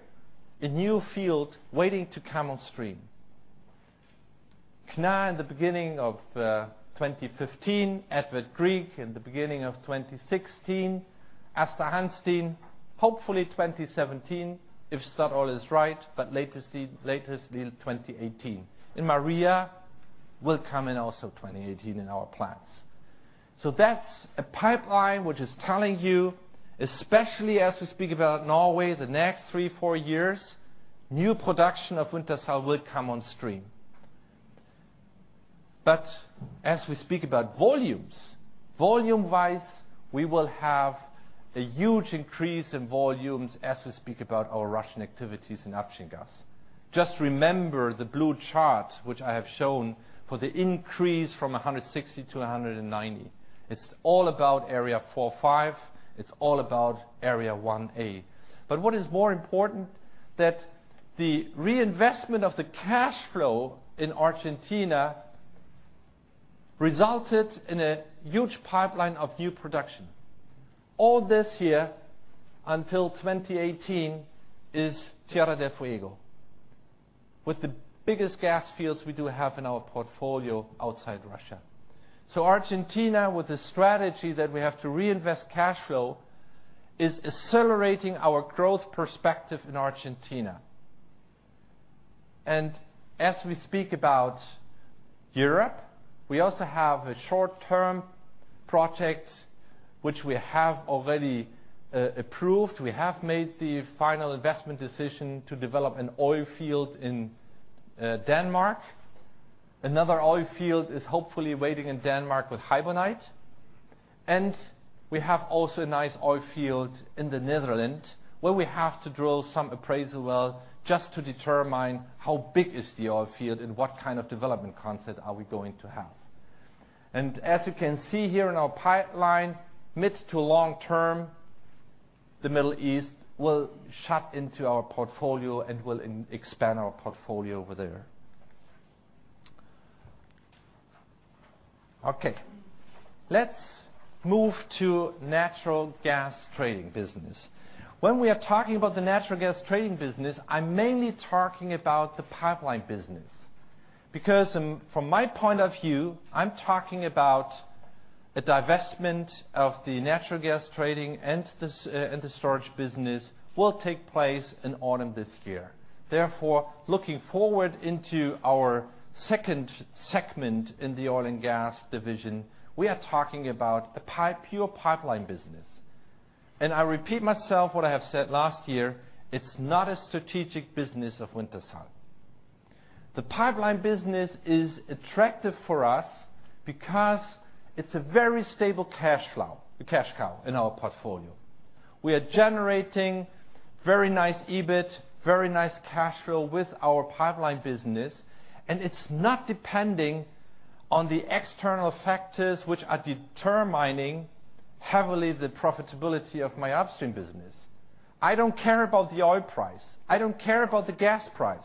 a new field waiting to come on stream. Knarr in the beginning of 2015, Edvard Grieg in the beginning of 2016, Aasta Hansteen, hopefully 2017, if Statoil is right, but latest in 2018. Maria will come in also 2018 in our plans. That's a pipeline which is telling you, especially as we speak about Norway, the next three, four years, new production of Wintershall will come on stream. As we speak about volumes, volume-wise, we will have a huge increase in volumes as we speak about our Russian activities in Achimgaz. Just remember the blue chart, which I have shown for the increase from 160 million barrels of oil equivalent to 190 million barrels of oil equivalent. It's all about Area 4A/5A. It's all about Area 1A. What is more important, that the reinvestment of the cash flow in Argentina resulted in a huge pipeline of new production. All this year until 2018 is Tierra del Fuego, with the biggest gas fields we do have in our portfolio outside Russia. Argentina, with the strategy that we have to reinvest cash flow, is accelerating our growth perspective in Argentina. As we speak about Europe, we also have a short-term project which we have already approved. We have made the final investment decision to develop an oil field in Denmark. Another oil field is hopefully waiting in Denmark with Hibonite. We have also a nice oil field in the Netherlands where we have to drill some appraisal well just to determine how big is the oil field and what kind of development concept are we going to have. As you can see here in our pipeline, mid- to long-term, the Middle East will slot into our portfolio and will expand our portfolio over there. Okay. Let's move to natural gas trading business. When we are talking about the natural gas trading business, I'm mainly talking about the pipeline business. Because from my point of view, I'm talking about a divestment of the natural gas trading and the storage business will take place in autumn this year. Therefore, looking forward into our second segment in the oil and gas division, we are talking about a pure pipeline business. I repeat myself what I have said last year, it's not a strategic business of Wintershall. The pipeline business is attractive for us because it's a very stable cash flow, a cash cow in our portfolio. We are generating very nice EBIT, very nice cash flow with our pipeline business, and it's not depending on the external factors which are determining heavily the profitability of my upstream business. I don't care about the oil price. I don't care about the gas price.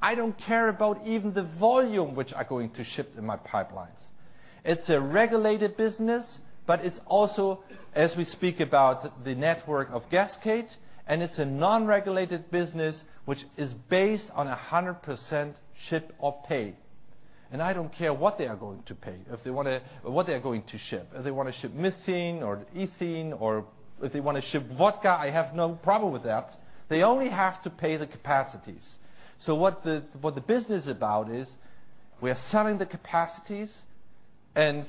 I don't care about even the volume which are going to ship in my pipelines. It's a regulated business, but it's also, as we speak about the network of Gascade, and it's a non-regulated business which is based on 100% ship-or-pay. I don't care what they are going to pay or what they are going to ship. If they wanna ship methane or ethane, or if they wanna ship vodka, I have no problem with that. They only have to pay the capacities. What the business about is we're selling the capacities, and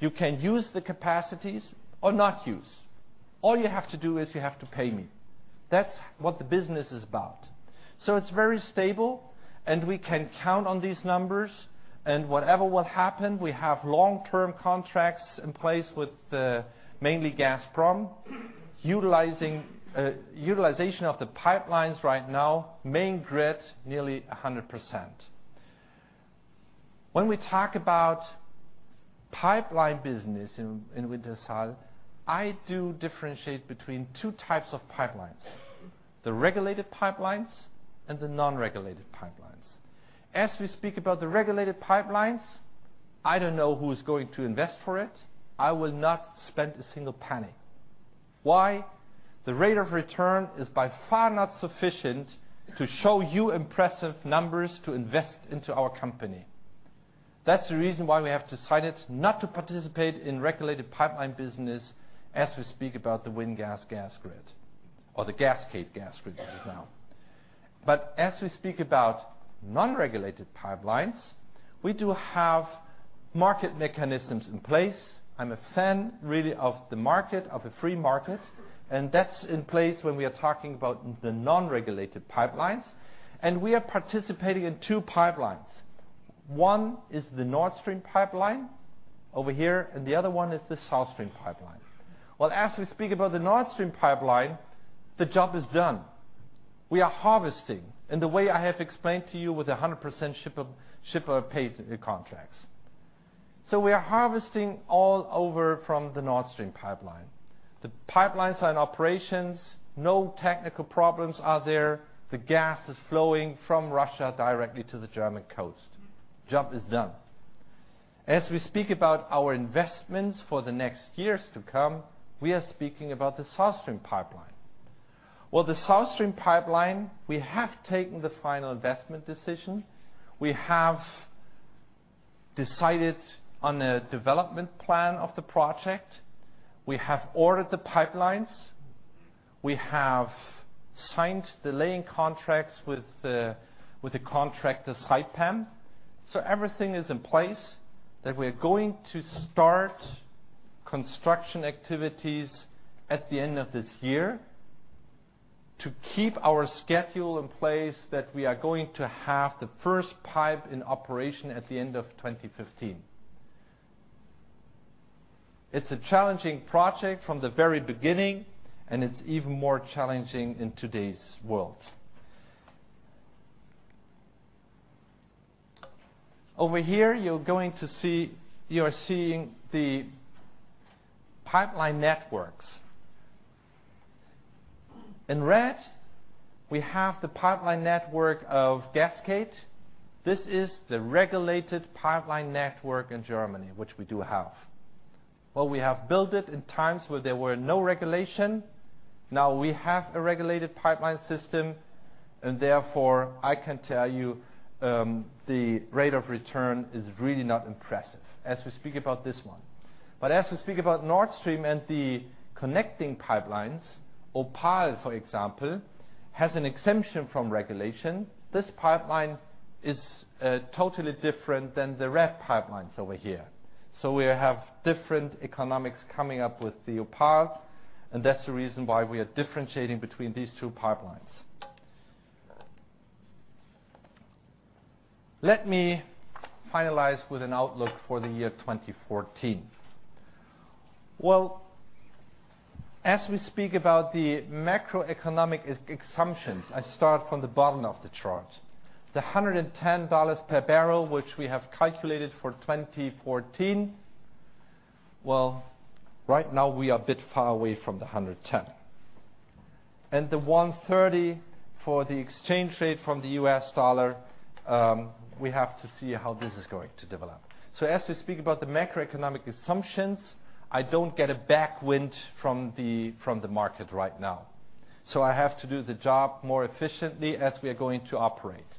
you can use the capacities or not use. All you have to do is you have to pay me. That's what the business is about. It's very stable, and we can count on these numbers. Whatever will happen, we have long-term contracts in place with mainly Gazprom. Utilization of the pipelines right now, main grid, nearly 100%. When we talk about pipeline business in Wintershall, I do differentiate between two types of pipelines, the regulated pipelines and the non-regulated pipelines. As we speak about the regulated pipelines, I don't know who's going to invest for it. I will not spend a single penny. Why? The rate of return is by far not sufficient to show you impressive numbers to invest into our company. That's the reason why we have decided not to participate in regulated pipeline business as we speak about the WINGAS gas grid or the Gascade gas grid as of now. As we speak about non-regulated pipelines, we do have market mechanisms in place. I'm a fan really of the market, of a free market, and that's in place when we are talking about the non-regulated pipelines. We are participating in two pipelines. One is the Nord Stream pipeline over here, and the other one is the South Stream pipeline. Well, as we speak about the Nord Stream pipeline, the job is done. We are harvesting in the way I have explained to you with 100% ship-or-pay contracts. So we are harvesting all over from the Nord Stream pipeline. The pipelines are in operations. No technical problems are there. The gas is flowing from Russia directly to the German coast. Job is done. As we speak about our investments for the next years to come, we are speaking about the South Stream pipeline. Well, the South Stream pipeline, we have taken the final investment decision. We have decided on a development plan of the project. We have ordered the pipelines. We have signed the laying contracts with the contractor, Saipem. Everything is in place that we're going to start construction activities at the end of this year to keep our schedule in place that we are going to have the first pipe in operation at the end of 2015. It's a challenging project from the very beginning, and it's even more challenging in today's world. Over here, you are seeing the pipeline networks. In red, we have the pipeline network of Gascade. This is the regulated pipeline network in Germany, which we do have. Well, we have built it in times where there were no regulation. Now we have a regulated pipeline system, and therefore, I can tell you, the rate of return is really not impressive as we speak about this one. As we speak about Nord Stream and the connecting pipelines, OPAL, for example, has an exemption from regulation. This pipeline is totally different than the red pipelines over here. We have different economics coming up with the OPAL, and that's the reason why we are differentiating between these two pipelines. Let me finalize with an outlook for the year 2014. Well, as we speak about the macroeconomic assumptions, I start from the bottom of the chart. The $110 per barrel, which we have calculated for 2014, well, right now we are a bit far away from the $110. The $1.30 for the exchange rate from the U.S. dollar, we have to see how this is going to develop. As we speak about the macroeconomic assumptions, I don't get a tailwind from the market right now, so I have to do the job more efficiently as we are going to operate.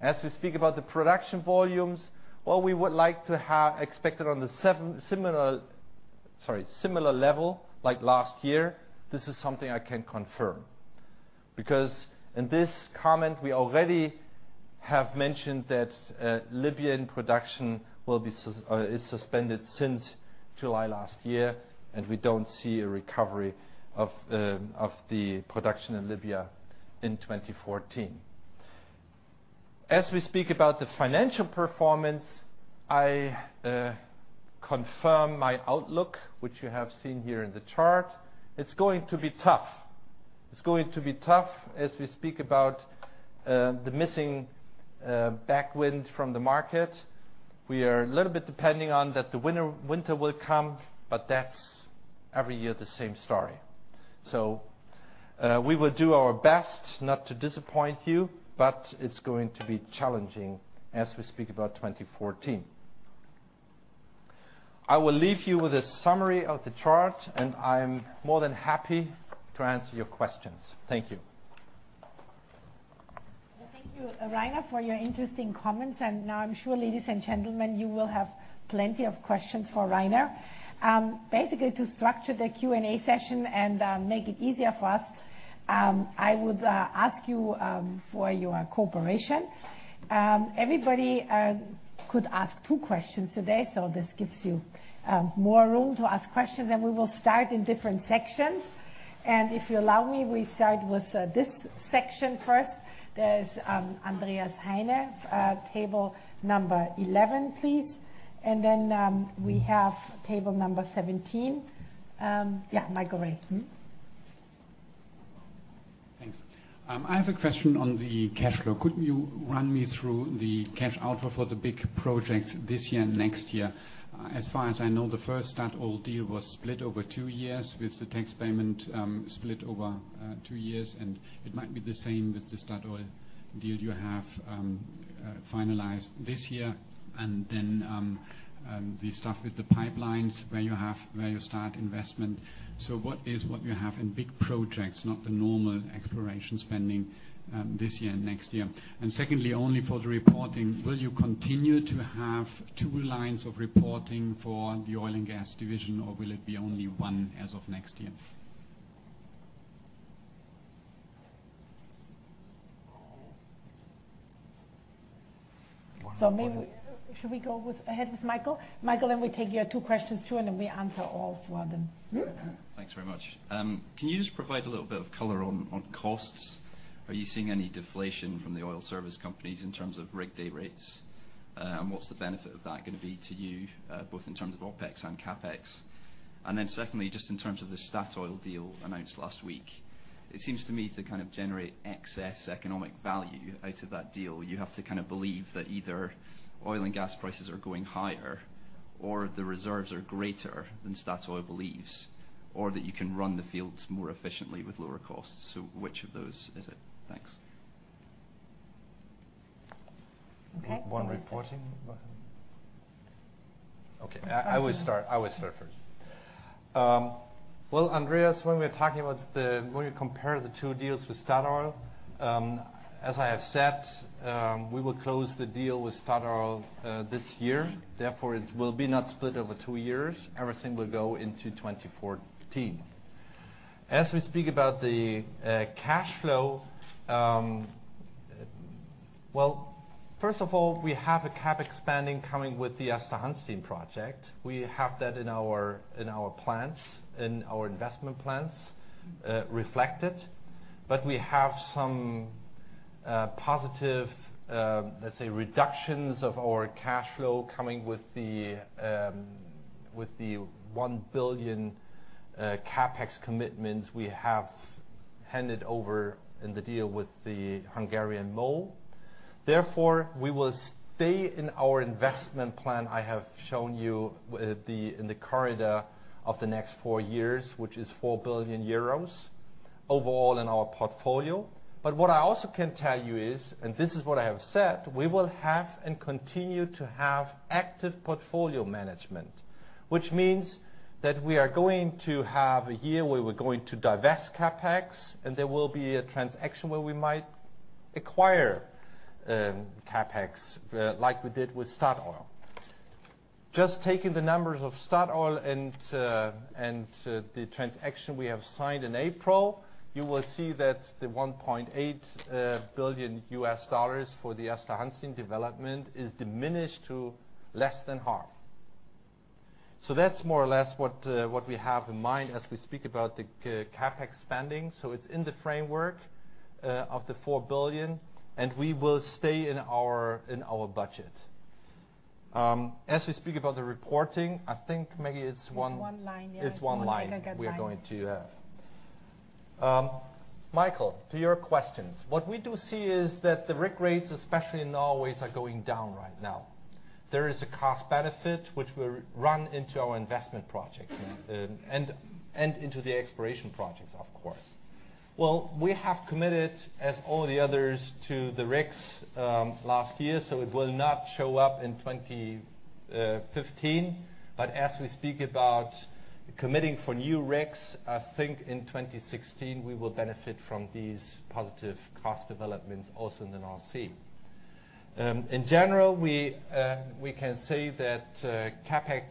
As we speak about the production volumes, well, we would like to have expected on the same similar level like last year. This is something I can confirm because in this comment we already have mentioned that, Libyan production is suspended since July last year, and we don't see a recovery of the production in Libya in 2014. As we speak about the financial performance, I confirm my outlook, which you have seen here in the chart. It's going to be tough. It's going to be tough as we speak about the missing backwind from the market. We are a little bit depending on that the winter will come, but that's every year the same story. We will do our best not to disappoint you, but it's going to be challenging as we speak about 2014. I will leave you with a summary of the chart, and I'm more than happy to answer your questions. Thank you. Well, thank you, Rainer, for your interesting comments. Now I'm sure, ladies and gentlemen, you will have plenty of questions for Rainer. Basically, to structure the Q&A session and make it easier for us, I would ask you for your cooperation. Everybody could ask two questions today, so this gives you more room to ask questions, and we will start in different sections. If you allow me, we start with this section first. There's Andreas Heine, table number 11, please. Then we have table number 17. Michael Rae. Thanks. I have a question on the cash flow. Could you run me through the cash outflow for the big project this year and next year? As far as I know, the first Statoil deal was split over two years with the tax payment split over two years, and it might be the same with the Statoil deal you have finalized this year and then the stuff with the pipelines where you start investment. So what you have in big projects, not the normal exploration spending, this year and next year? And secondly, only for the reporting, will you continue to have two lines of reporting for the oil and gas division, or will it be only one as of next year? One more. Should we go ahead with Michael? Michael, then we take your two questions too, and then we answer all four of them. Mm-hmm. Thanks very much. Can you just provide a little bit of color on costs? Are you seeing any deflation from the oil service companies in terms of rig day rates? What's the benefit of that gonna be to you, both in terms of OpEx and CapEx? Secondly, just in terms of the Statoil deal announced last week, it seems to me to kind of generate excess economic value out of that deal. You have to kind of believe that either oil and gas prices are going higher or the reserves are greater than Statoil believes, or that you can run the fields more efficiently with lower costs. Which of those is it? Thanks. Okay, I will start first. Well, Andreas, when you compare the two deals with Statoil, as I have said, we will close the deal with Statoil this year, therefore it will be not split over two years. Everything will go into 2014. As we speak about the cash flow. Well, first of all, we have a CapEx spending coming with the Aasta Hansteen project. We have that in our plans, in our investment plans reflected. We have some positive, let's say reductions of our cash flow coming with the 1 billion CapEx commitments we have handed over in the deal with the Hungarian MOL. Therefore, we will stay in our investment plan I have shown you within the corridor of the next four years, which is 4 billion euros overall in our portfolio. What I also can tell you is, and this is what I have said, we will have and continue to have active portfolio management. Which means that we are going to have a year where we're going to divest CapEx, and there will be a transaction where we might acquire CapEx like we did with Statoil. Just taking the numbers of Statoil and the transaction we have signed in April, you will see that the $1.8 billion for the Aasta Hansteen development is diminished to less than half. That's more or less what we have in mind as we speak about the CapEx spending. It's in the framework of the 4 billion, and we will stay in our budget. As we speak about the reporting, I think maybe it's one- It's one line, yeah. It's one line we are going to have. Michael, to your questions. What we do see is that the rig rates, especially in Norway, are going down right now. There is a cost benefit which will run into our investment project and into the exploration projects, of course. Well, we have committed, as all the others, to the rigs last year, so it will not show up in 2015. As we speak about committing for new rigs, I think in 2016 we will benefit from these positive cost developments also in the North Sea. In general, we can say that CapEx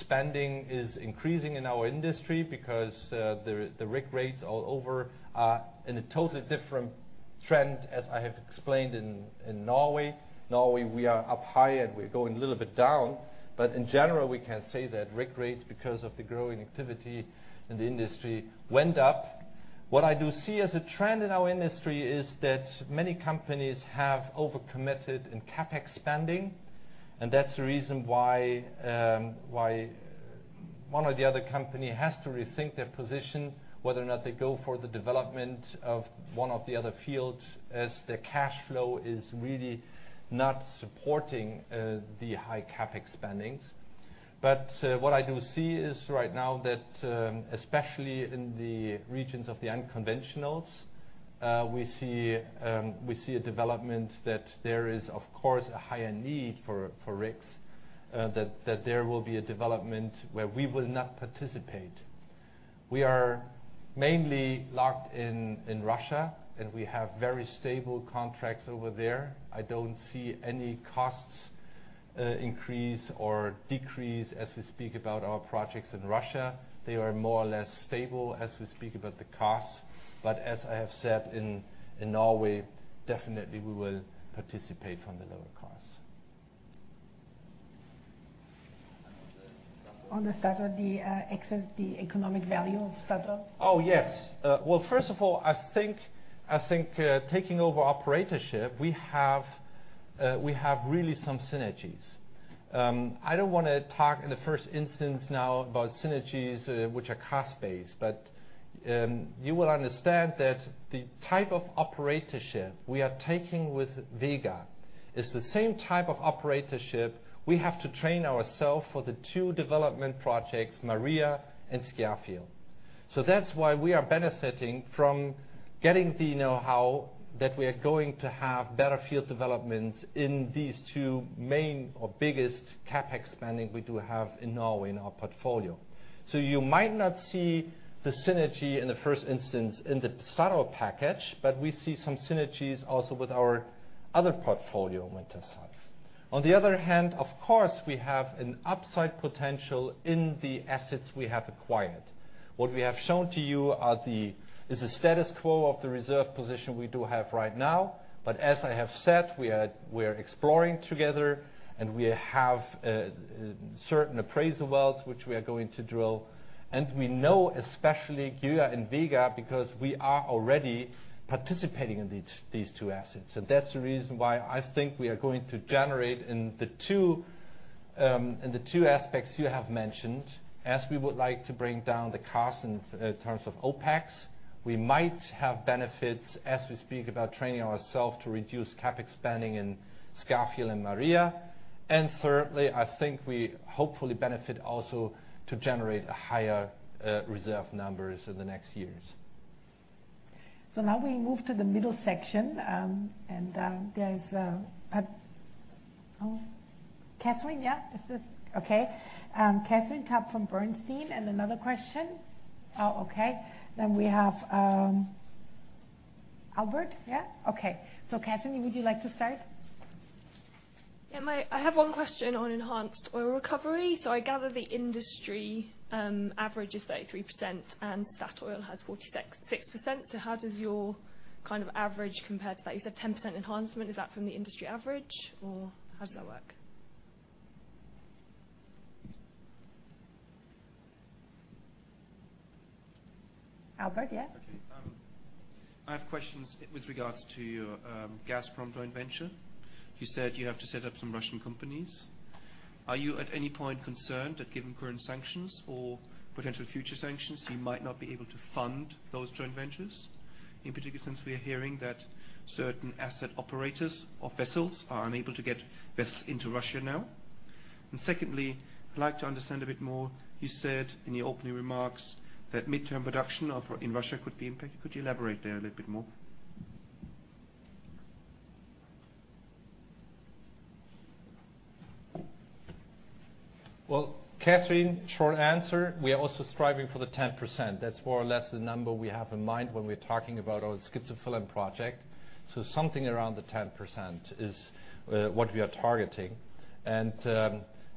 spending is increasing in our industry because the rig rates all over are in a totally different trend, as I have explained in Norway. Norway, we are up high and we're going a little bit down. In general, we can say that rig rates, because of the growing activity in the industry, went up. What I do see as a trend in our industry is that many companies have overcommitted in CapEx spending, and that's the reason why one or the other company has to rethink their position, whether or not they go for the development of one of the other fields, as their cash flow is really not supporting the high CapEx spendings. What I do see is right now that, especially in the regions of the unconventionals, we see a development that there is, of course, a higher need for rigs, that there will be a development where we will not participate. We are mainly locked in Russia, and we have very stable contracts over there. I don't see any costs, increase or decrease as we speak about our projects in Russia. They are more or less stable as we speak about the costs. As I have said, in Norway, definitely we will participate from the lower costs. On the Statoil, the excess, the economic value of Statoil? Oh, yes. Well, first of all, I think taking over operatorship, we have really some synergies. I don't wanna talk in the first instance now about synergies which are cost-based. You will understand that the type of operatorship we are taking with Vega is the same type of operatorship we have to train ourself for the two development projects, Maria and Skarfjell. That's why we are benefiting from getting the know-how that we are going to have better field developments in these two main or biggest CapEx spending we do have in Norway in our portfolio. You might not see the synergy in the first instance in the Statoil package, but we see some synergies also with our other portfolio in Wintershall. On the other hand, of course, we have an upside potential in the assets we have acquired. What we have shown to you is the status quo of the reserve position we do have right now. As I have said, we are exploring together, and we have certain appraisal wells which we are going to drill. We know especially Gjøa and Vega because we are already participating in these two assets. That's the reason why I think we are going to generate in the two and the two aspects you have mentioned, as we would like to bring down the cost in terms of OpEx. We might have benefits as we speak about training ourself to reduce CapEx spending in Skarfjell and Maria. Thirdly, I think we hopefully benefit also to generate higher reserve numbers in the next years. Now we move to the middle section. There is Kate Copp from Bernstein. Another question. Oh, okay. We have Albert. Yeah? Okay. Kate, would you like to start? I have one question on enhanced oil recovery. I gather the industry average is 33%, and Statoil has 46%. How does your kind of average compare to that? You said 10% enhancement, is that from the industry average? Or how does that work? Albert, yeah. Okay. I have questions with regards to your Gazprom joint venture. You said you have to set up some Russian companies. Are you at any point concerned that given current sanctions or potential future sanctions, you might not be able to fund those joint ventures? In particular, since we are hearing that certain asset operators of vessels are unable to get vessels into Russia now. Secondly, I'd like to understand a bit more. You said in your opening remarks that midterm production in Russia could be impacted. Could you elaborate there a little bit more? Well, Kate, short answer, we are also striving for the 10%. That's more or less the number we have in mind when we're talking about our schizophyllan project. Something around the 10% is what we are targeting.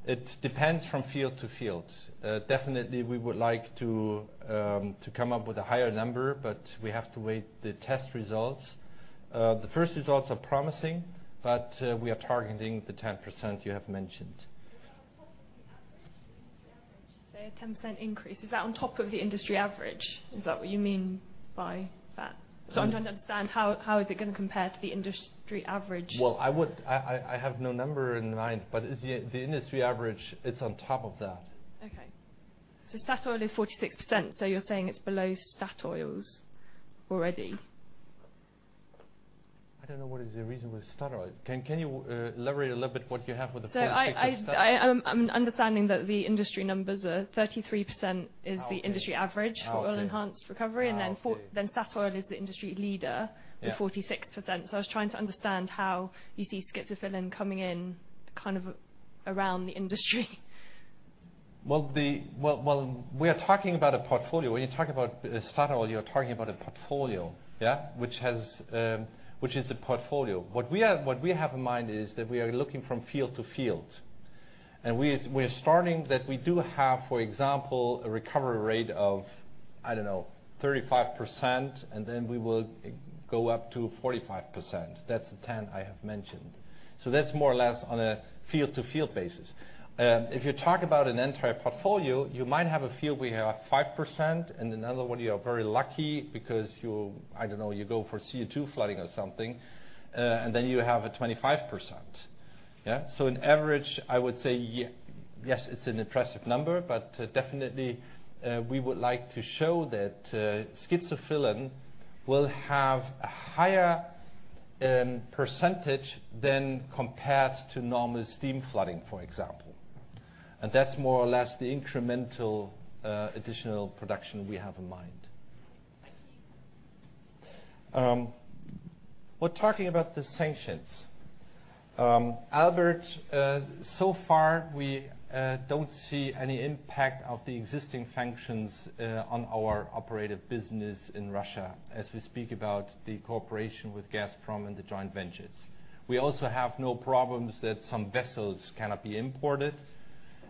It depends from field to field. Definitely we would like to come up with a higher number, but we have to wait the test results. The first results are promising, but we are targeting the 10% you have mentioned. Say a 10% increase. Is that on top of the industry average? Is that what you mean by that? I'm trying to understand how is it gonna compare to the industry average? Well, I have no number in mind, but it's the industry average. It's on top of that. Okay. Statoil is 46%, so you're saying it's below Statoil's already? I don't know what is the reason with Statoil. Can you elaborate a little bit what you have with the 46% of Statoil? I'm understanding that the industry numbers are 33% is the industry average for enhanced oil recovery. Okay. And then for Statoil is the industry leader with 46%. I was trying to understand how you see schizophyllan coming in kind of around the industry. We are talking about a portfolio. When you talk about Statoil, you're talking about a portfolio, yeah, which has, which is a portfolio. What we have in mind is that we are looking from field to field. We're starting that we do have, for example, a recovery rate of, I don't know, 35%, and then we will go up to 45%. That's the 10% I have mentioned. That's more or less on a field-to-field basis. If you talk about an entire portfolio, you might have a field where you have 5%, and another one you are very lucky because you, I don't know, you go for CO2 flooding or something, and then you have a 25%. Yeah? In average, I would say yes, it's an impressive number, but definitely, we would like to show that schizophyllan will have a higher percentage than compared to normal steam flooding, for example. That's more or less the incremental additional production we have in mind. Well talking about the sanctions, Albert, so far we don't see any impact of the existing sanctions on our operative business in Russia as we speak about the cooperation with Gazprom and the joint ventures. We also have no problems that some vessels cannot be imported.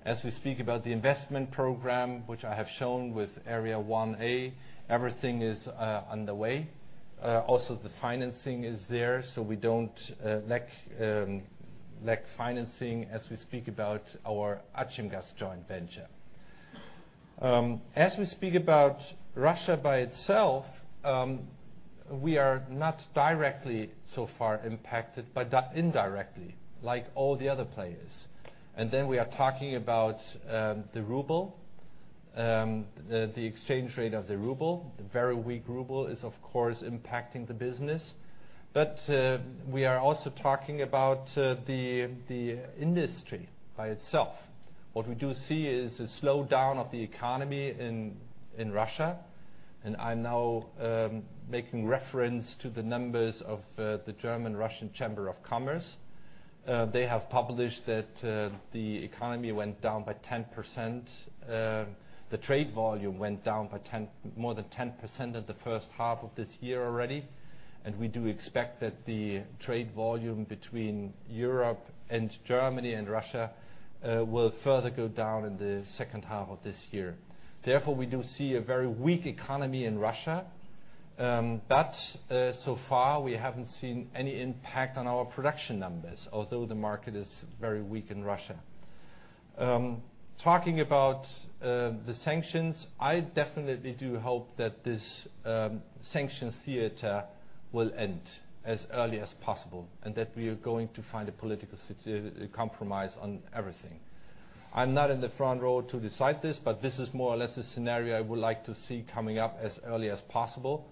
As we speak about the investment program, which I have shown with Area 1A, everything is underway. Also the financing is there, so we don't lack financing as we speak about our Achimgaz joint venture. As we speak about Russia by itself, we are not directly so far impacted, but indirectly, like all the other players. We are talking about the ruble, the exchange rate of the ruble. The very weak ruble is of course impacting the business. We are also talking about the industry by itself. What we do see is a slowdown of the economy in Russia, and I'm now making reference to the numbers of the German-Russian Chamber of Commerce. They have published that the economy went down by 10%. The trade volume went down by more than 10% in the first half of this year already. We do expect that the trade volume between Europe and Germany and Russia will further go down in the second half of this year. Therefore, we do see a very weak economy in Russia, but so far we haven't seen any impact on our production numbers, although the market is very weak in Russia. Talking about the sanctions, I definitely do hope that this sanction theater will end as early as possible and that we are going to find a political compromise on everything. I'm not in the front row to decide this, but this is more or less the scenario I would like to see coming up as early as possible,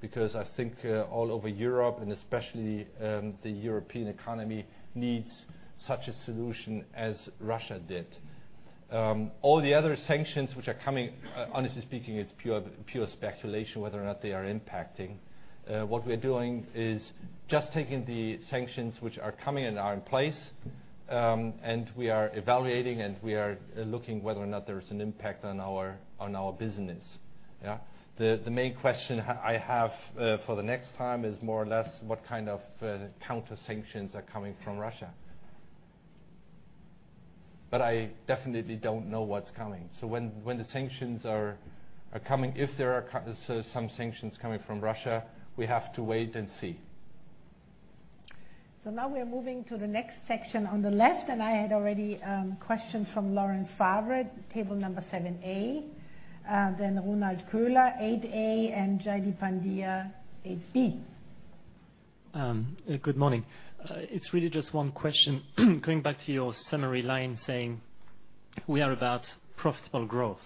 because I think all over Europe and especially the European economy needs such a solution as Russia did. All the other sanctions which are coming, honestly speaking, it's pure speculation whether or not they are impacting. What we're doing is just taking the sanctions which are coming and are in place, and we are evaluating, and we are looking whether or not there is an impact on our business. The main question I have for the next time is more or less what kind of counter-sanctions are coming from Russia. I definitely don't know what's coming. When the sanctions are coming, if there are some sanctions coming from Russia, we have to wait and see. Now we are moving to the next section on the left, and I had already questions from Laurent Favre, table number 7A, then Ronald Köhler, 8A, and Jaideep Pandya, 8B. Good morning. It's really just one question. Going back to your summary line saying we are about profitable growth.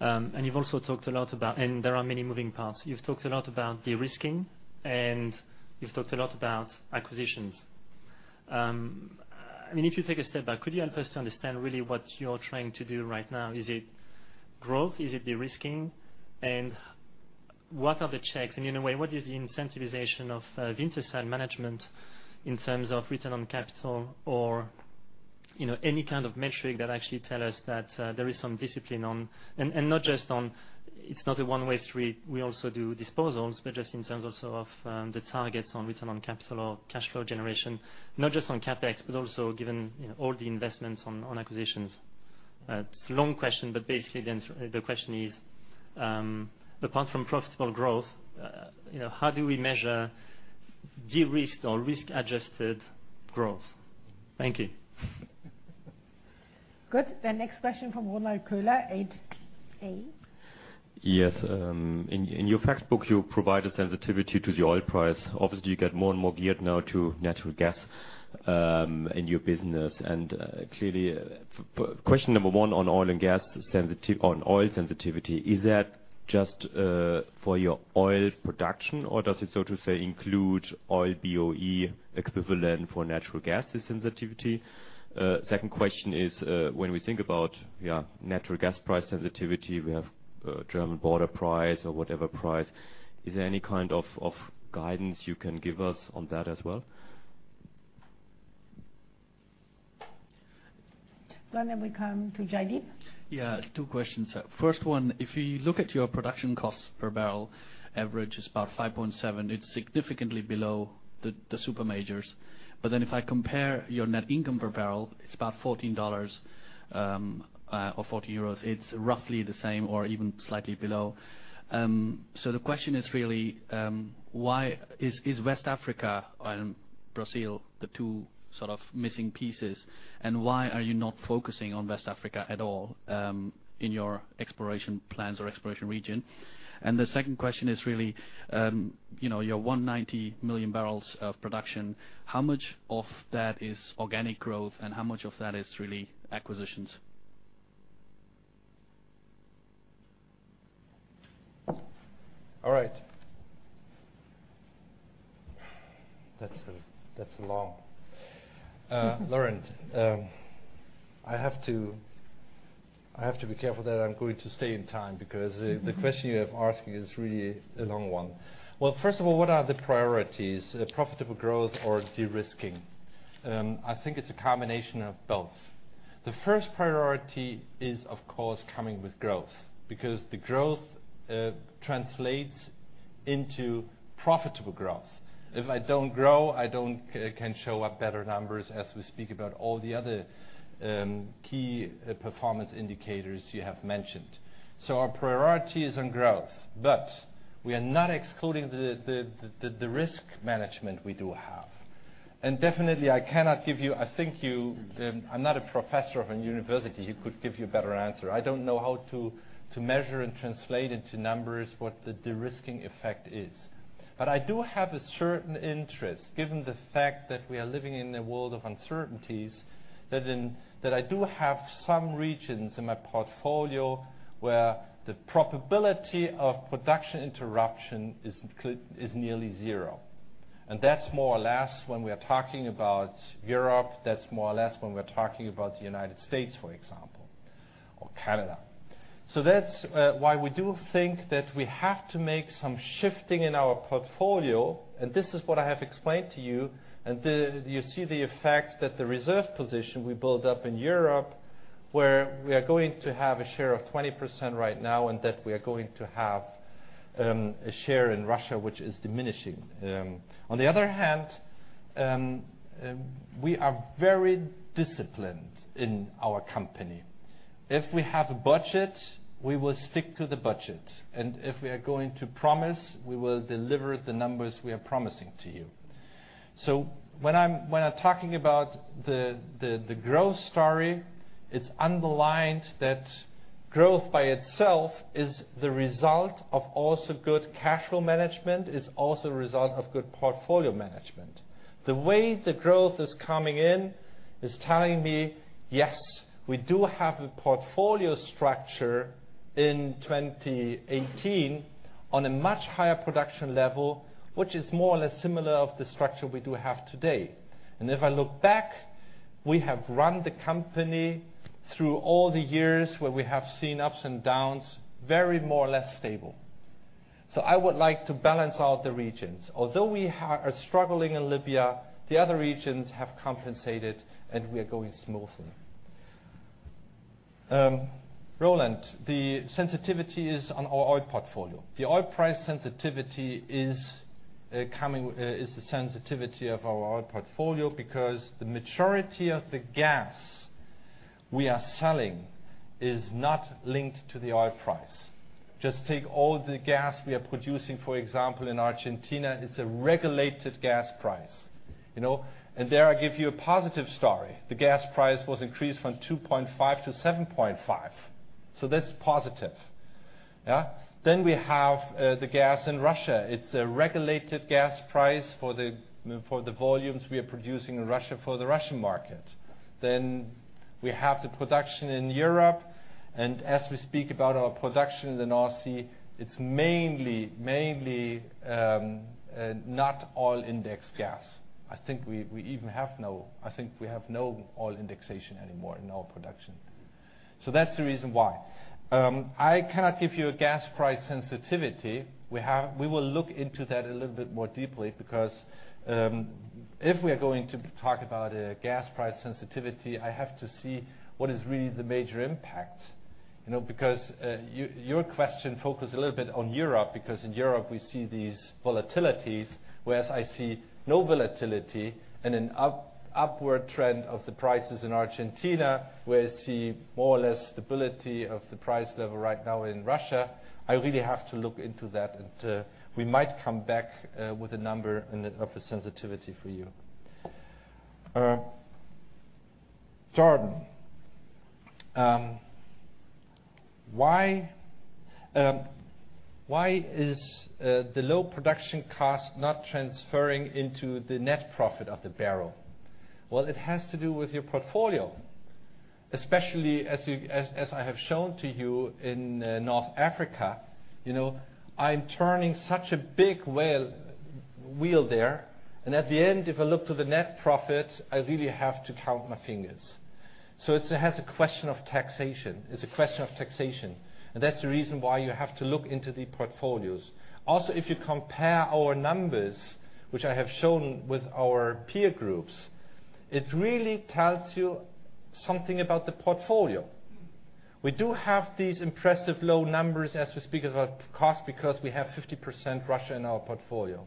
You've also talked a lot about. There are many moving parts. You've talked a lot about de-risking, and you've talked a lot about acquisitions. I mean, if you take a step back, could you help us to understand really what you're trying to do right now? Is it growth? Is it de-risking? What are the checks, and in a way, what is the incentivization of, Wintershall management in terms of return on capital or, you know, any kind of metric that actually tell us that, there is some discipline on. Not just on, it's not a one-way street, we also do disposals, but just in terms also of the targets on return on capital or cash flow generation, not just on CapEx, but also given, you know, all the investments on acquisitions. It's a long question, but basically the question is, apart from profitable growth, you know, how do we measure de-risked or risk-adjusted growth? Thank you. Good. The next question from Ronald Köhler, 8A. Yes. In your fact book, you provide a sensitivity to the oil price. Obviously, you get more and more geared now to natural gas in your business. Clearly, question number one on oil sensitivity, is that just for your oil production, or does it, so to say, include oil BOE equivalent for natural gas sensitivity? Second question is, when we think about natural gas price sensitivity, we have German border price or whatever price. Is there any kind of guidance you can give us on that as well? We come to Jaideep. Two questions. First one, if you look at your production costs per barrel average is about 5.7, it's significantly below the super majors. If I compare your net income per barrel, it's about $14 or 40 euros, it's roughly the same or even slightly below. The question is really, why is West Africa and Brazil the two sort of missing pieces, and why are you not focusing on West Africa at all in your exploration plans or exploration region? The second question is really, your 190 million barrels of production, how much of that is organic growth and how much of that is really acquisitions? All right. That's long. Laurent, I have to be careful that I'm going to stay in time because the question you are asking is really a long one. Well, first of all, what are the priorities, profitable growth or de-risking? I think it's a combination of both. The first priority is, of course, coming with growth because the growth translates into profitable growth. If I don't grow, I can't show up better numbers as we speak about all the other key performance indicators you have mentioned. Our priority is on growth, but we are not excluding the risk management we do have. Definitely, I cannot give you. I think, I'm not a professor of a university who could give you a better answer. I don't know how to measure and translate into numbers what the de-risking effect is. I do have a certain interest, given the fact that we are living in a world of uncertainties, that I do have some regions in my portfolio where the probability of production interruption is nearly zero. That's more or less when we are talking about Europe, that's more or less when we're talking about the United States, for example, or Canada. That's why we do think that we have to make some shifting in our portfolio, and this is what I have explained to you. You see the effect that the reserve position we build up in Europe, where we are going to have a share of 20% right now, and that we are going to have a share in Russia, which is diminishing. On the other hand, we are very disciplined in our company. If we have a budget, we will stick to the budget. If we are going to promise, we will deliver the numbers we are promising to you. When I'm talking about the growth story, it's underlined that growth by itself is the result of also good cash flow management, is also a result of good portfolio management. The way the growth is coming in is telling me, yes, we do have a portfolio structure in 2018 on a much higher production level, which is more or less similar to the structure we do have today. If I look back, we have run the company through all the years where we have seen ups and downs very more or less stable. I would like to balance out the regions. Although we are struggling in Libya, the other regions have compensated, and we are going smoothly. Ronald, the sensitivity is on our oil portfolio. The oil price sensitivity is the sensitivity of our oil portfolio because the majority of the gas we are selling is not linked to the oil price. Just take all the gas we are producing, for example, in Argentina. It's a regulated gas price, you know. There I give you a positive story. The gas price was increased from 2.5% to 7.5%, so that's positive. Yeah. We have the gas in Russia. It's a regulated gas price for the volumes we are producing in Russia for the Russian market. We have the production in Europe, and as we speak about our production in the North Sea, it's mainly not oil-indexed gas. I think we have no oil indexation anymore in our production. That's the reason why. I cannot give you a gas price sensitivity. We will look into that a little bit more deeply because if we are going to talk about a gas price sensitivity, I have to see what is really the major impact, you know. Because your question focus a little bit on Europe, because in Europe we see these volatilities, whereas I see no volatility and an upward trend of the prices in Argentina, where I see more or less stability of the price level right now in Russia. I really have to look into that, and we might come back with a number and of a sensitivity for you. Jordan, why is the low production cost not transferring into the net profit of the barrel? Well, it has to do with your portfolio, especially as I have shown to you in North Africa. You know, I'm turning such a big wheel there, and at the end, if I look to the net profit, I really have to count my fingers. So it's a question of taxation. It's a question of taxation. That's the reason why you have to look into the portfolios. Also, if you compare our numbers, which I have shown with our peer groups, it really tells you something about the portfolio. We do have these impressive low numbers as we speak about cost because we have 50% Russia in our portfolio.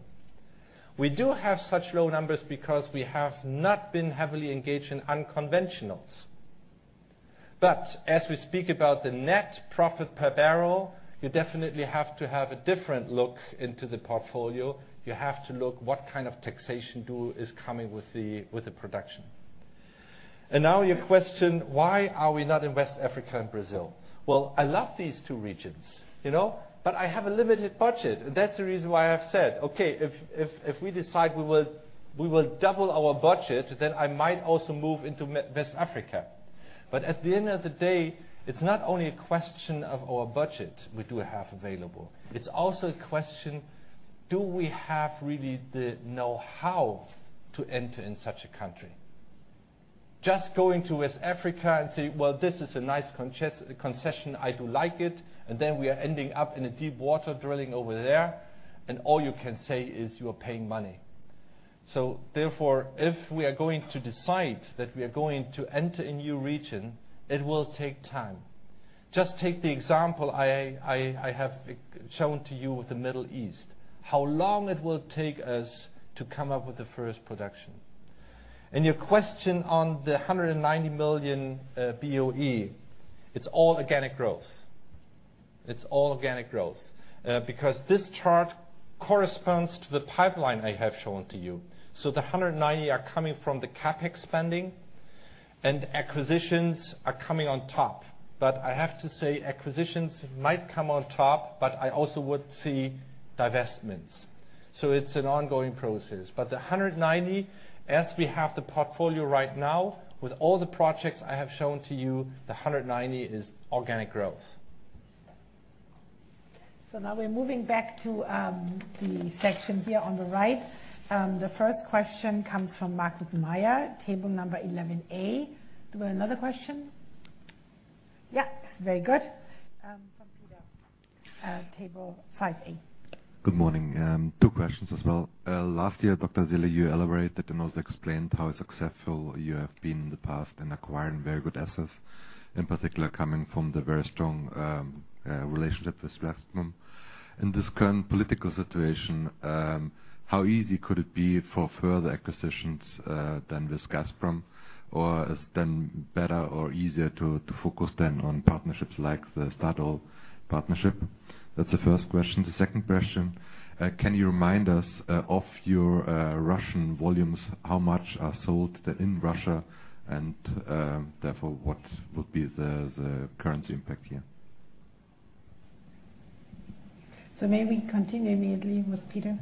We do have such low numbers because we have not been heavily engaged in unconventionals. As we speak about the net profit per barrel, you definitely have to have a different look into the portfolio. You have to look what kind of taxation due is coming with the production. Now your question, why are we not in West Africa and Brazil? Well, I love these two regions, you know, but I have a limited budget. That's the reason why I've said, okay, if we decide we will double our budget, then I might also move into West Africa. But at the end of the day, it's not only a question of our budget we do have available, it's also a question, do we have really the know-how to enter in such a country? Just going to West Africa and say, "Well, this is a nice concession, I do like it." Then we are ending up in a deep water drilling over there, and all you can say is you are paying money. Therefore, if we are going to decide that we are going to enter a new region, it will take time. Just take the example I have shown to you with the Middle East, how long it will take us to come up with the first production. Your question on the 190 million BOE, it's all organic growth. It's all organic growth. Because this chart corresponds to the pipeline I have shown to you. The 190 million BOE are coming from the CapEx spending, and acquisitions are coming on top. I have to say acquisitions might come on top, but I also would see divestments. It's an ongoing process. The 190 million BOE, as we have the portfolio right now, with all the projects I have shown to you, the 190 million BOE is organic growth. Now we're moving back to the section here on the right. The first question comes from Markus Mayer, table number 11A. Do we have another question? Yeah. Very good. From Peter, table 5A. Good morning. Two questions as well. Last year, Dr. Rainer Seele, you elaborated and also explained how successful you have been in the past in acquiring very good assets, in particular, coming from the very strong relationship with Gazprom. In this current political situation, how easy could it be for further acquisitions with Gazprom? Or is it then better or easier to focus then on partnerships like the Statoil partnership? That's the first question. The second question, can you remind us of your Russian volumes? How much are sold in Russia and therefore, what would be the currency impact here? May we continue maybe with Peter?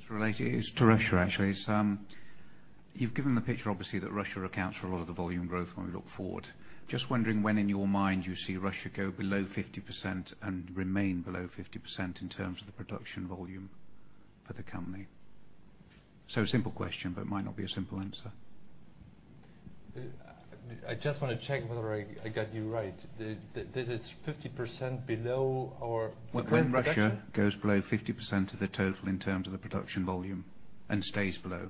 It's related to Russia, actually. It's, you've given the picture obviously that Russia accounts for a lot of the volume growth when we look forward. Just wondering when in your mind you see Russia go below 50% and remain below 50% in terms of the production volume for the company. A simple question, but it might not be a simple answer. I just wanna check whether I got you right. This is 50% below our current production? When Russia goes below 50% of the total in terms of the production volume and stays below.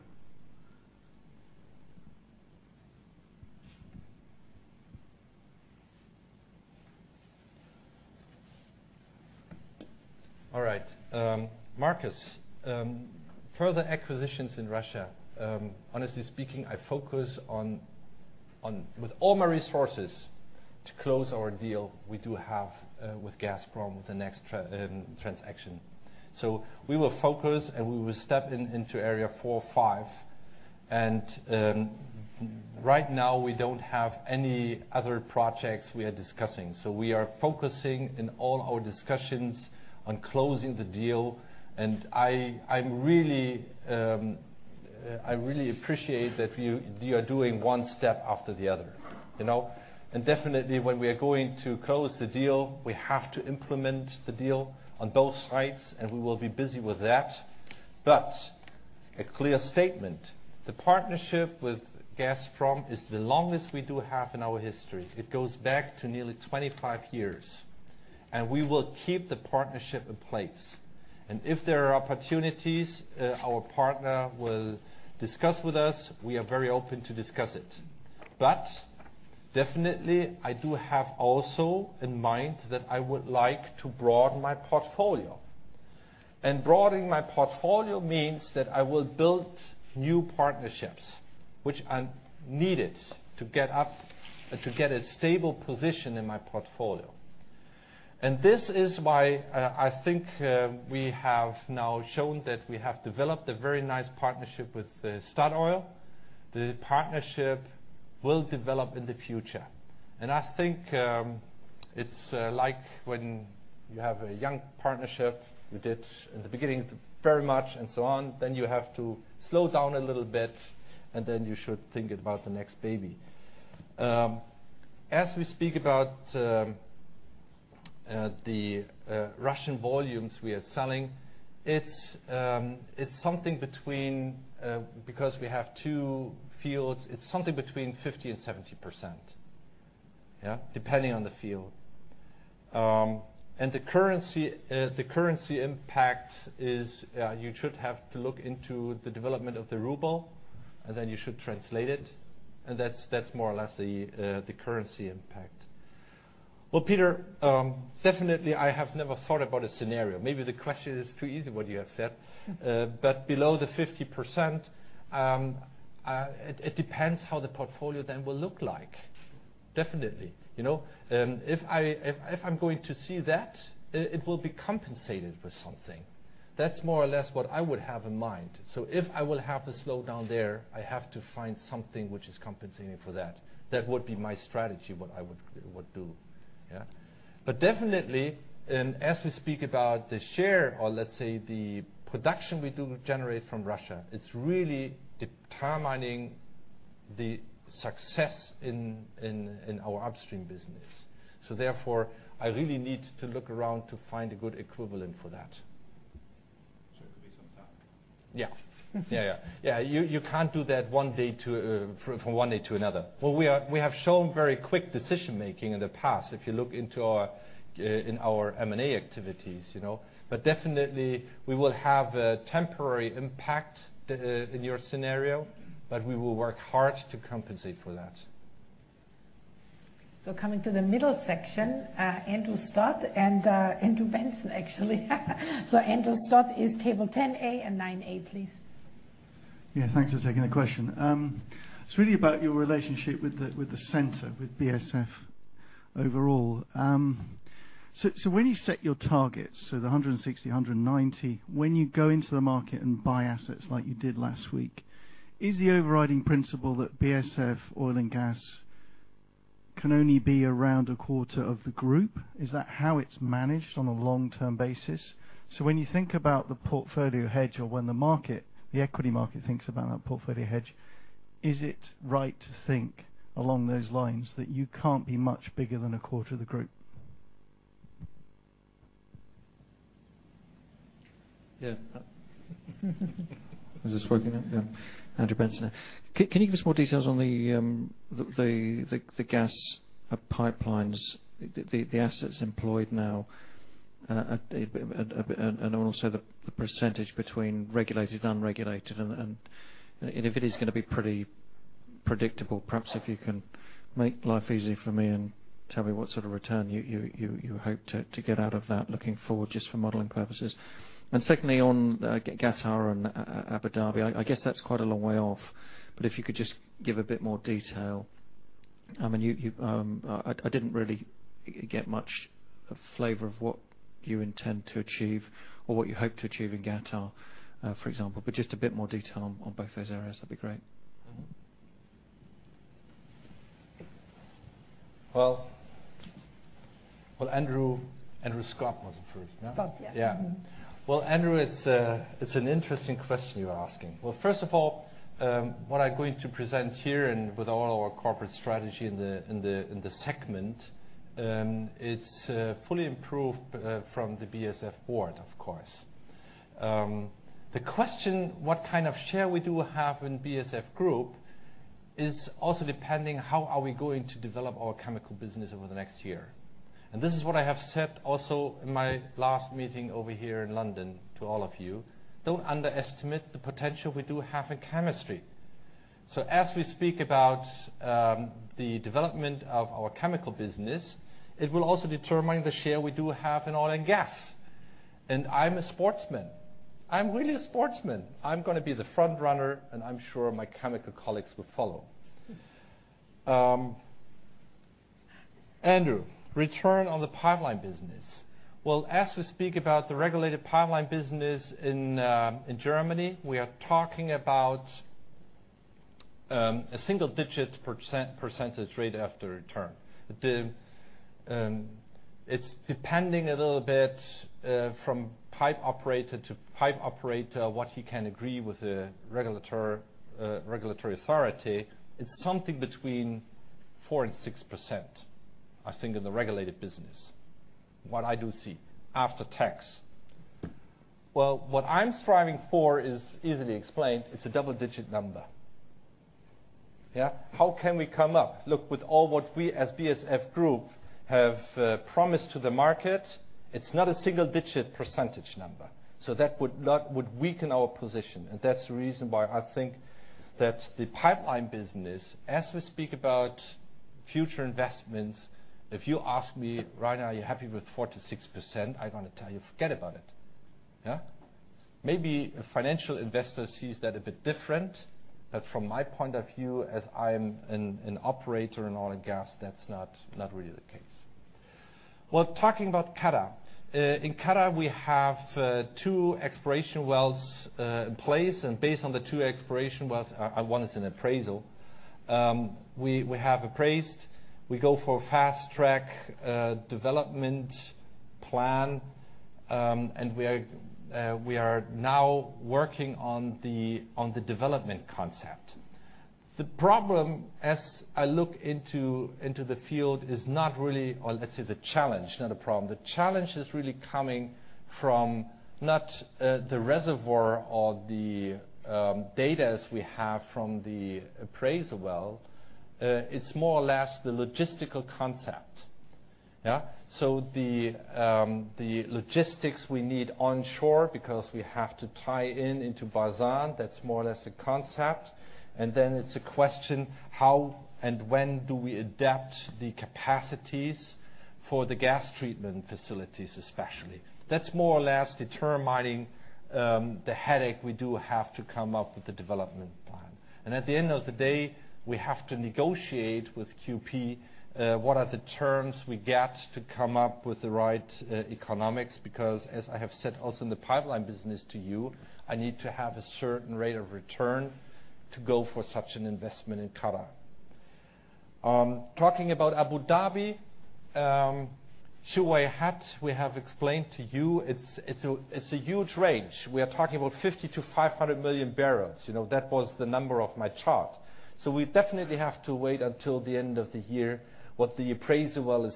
All right. Markus, further acquisitions in Russia, honestly speaking, I focus on with all my resources to close our deal we do have with Gazprom, the next transaction. We will focus, and we will step in into area four, five. Right now we don't have any other projects we are discussing. We are focusing in all our discussions on closing the deal, and I'm really, I really appreciate that you are doing one step after the other, you know? Definitely when we are going to close the deal, we have to implement the deal on both sides, and we will be busy with that. A clear statement, the partnership with Gazprom is the longest we do have in our history. It goes back to nearly 25 years, and we will keep the partnership in place. If there are opportunities, our partner will discuss with us, we are very open to discuss it. Definitely I do have also in mind that I would like to broaden my portfolio. Broadening my portfolio means that I will build new partnerships which are needed to get a stable position in my portfolio. This is why, I think, we have now shown that we have developed a very nice partnership with Statoil. The partnership will develop in the future. I think it's like when you have a young partnership, you did in the beginning very much and so on, then you have to slow down a little bit, and then you should think about the next baby. As we speak about the Russian volumes we are selling, it's something between, because we have two fields, it's something between 50% and 70%, yeah, depending on the field. The currency impact is, you should have to look into the development of the ruble, and then you should translate it, and that's more or less the currency impact. Well, Peter, definitely I have never thought about a scenario. Maybe the question is too easy what you have said. Below the 50%, it depends how the portfolio then will look like. Definitely. You know? If I'm going to see that, it will be compensated with something. That's more or less what I would have in mind. If I will have the slowdown there, I have to find something which is compensating for that. That would be my strategy, what I would do, yeah? Definitely, and as we speak about the share or let's say the production we do generate from Russia, it's really determining the success in our upstream business. Therefore, I really need to look around to find a good equivalent for that. It could be some time. Yeah, you can't do that from one day to another. Well, we have shown very quick decision-making in the past, if you look into our M&A activities, you know? Definitely we will have a temporary impact in your scenario, but we will work hard to compensate for that. Coming to the middle section, Andrew Stott and Andrew Benson, actually. Andrew Stott is table 10A and 9A, please. Yeah, thanks for taking the question. It's really about your relationship with the center, with BASF overall. When you set your targets, the 160 million BOE, 190 million BOE, when you go into the market and buy assets like you did last week, is the overriding principle that BASF oil and gas can only be around a quarter of the group? Is that how it's managed on a long-term basis? When you think about the portfolio hedge or when the equity market thinks about that portfolio hedge, is it right to think along those lines that you can't be much bigger than a quarter of the group? Yeah. Is this working now? Yeah. Andrew Benson. Can you give us more details on the gas pipelines, the assets employed now? A bit, and also the percentage between regulated, unregulated, and if it is gonna be pretty predictable, perhaps if you can make life easy for me and tell me what sort of return you hope to get out of that looking forward just for modeling purposes. Secondly, on Qatari and Abu Dhabi, I guess that's quite a long way off, but if you could just give a bit more detail. I mean, you, I didn't really get much flavor of what you intend to achieve or what you hope to achieve in Qatar, for example, but just a bit more detail on both those areas. That'd be great. Well, Andrew Stott was the first, yeah? Scott, yeah. Mm-hmm. Yeah. Well, Andrew, it's an interesting question you're asking. Well, first of all, what I'm going to present here and with all our corporate strategy in the segment, it's fully improved from the BASF board, of course. The question what kind of share we do have in BASF Group is also depending how are we going to develop our chemical business over the next year. This is what I have said also in my last meeting over here in London to all of you. Don't underestimate the potential we do have in chemistry. As we speak about the development of our chemical business, it will also determine the share we do have in oil and gas. I'm a sportsman. I'm really a sportsman. I'm gonna be the front runner, and I'm sure my chemical colleagues will follow. Andrew, return on the pipeline business. Well, as we speak about the regulated pipeline business in Germany, we are talking about a single-digit percentage rate of return. It's depending a little bit from pipe operator to pipe operator what he can agree with the regulator, regulatory authority. It's something between 4%-6%, I think, in the regulated business, what I do see after tax. Well, what I'm striving for is easily explained. It's a double-digit number. Yeah? How can we come up? Look, with all what we as BASF Group have promised to the market, it's not a single-digit percentage number. That would weaken our position, and that's the reason why I think that the pipeline business, as we speak about future investments, if you ask me, "Rainer, are you happy with 4%-6%?" I'm gonna tell you, "Forget about it." Yeah? Maybe a financial investor sees that a bit different. But from my point of view, as I'm an operator in oil and gas, that's not really the case. Well, talking about Qatar. In Qatar, we have two exploration wells in place. Based on the two exploration wells, one is an appraisal, we have appraised. We go for a fast-track development plan, and we are now working on the development concept. The problem as I look into the field is not really or let's say the challenge, not the problem. The challenge is really coming from not the reservoir or the data as we have from the appraisal well. It's more or less the logistical concept. The logistics we need onshore because we have to tie in into North Field. That's more or less the concept. Then it's a question how and when do we adapt the capacities for the gas treatment facilities especially. That's more or less determining the headache we do have to come up with the development plan. At the end of the day, we have to negotiate with Qp, what are the terms we get to come up with the right economics. Because as I have said also in the pipeline business to you, I need to have a certain rate of return to go for such an investment in Qatar. Talking about Abu Dhabi, Shuweihat, we have explained to you it's a huge range. We are talking about 50 million barrels-500 million barrels. You know, that was the number of my chart. We definitely have to wait until the end of the year what the appraisal well is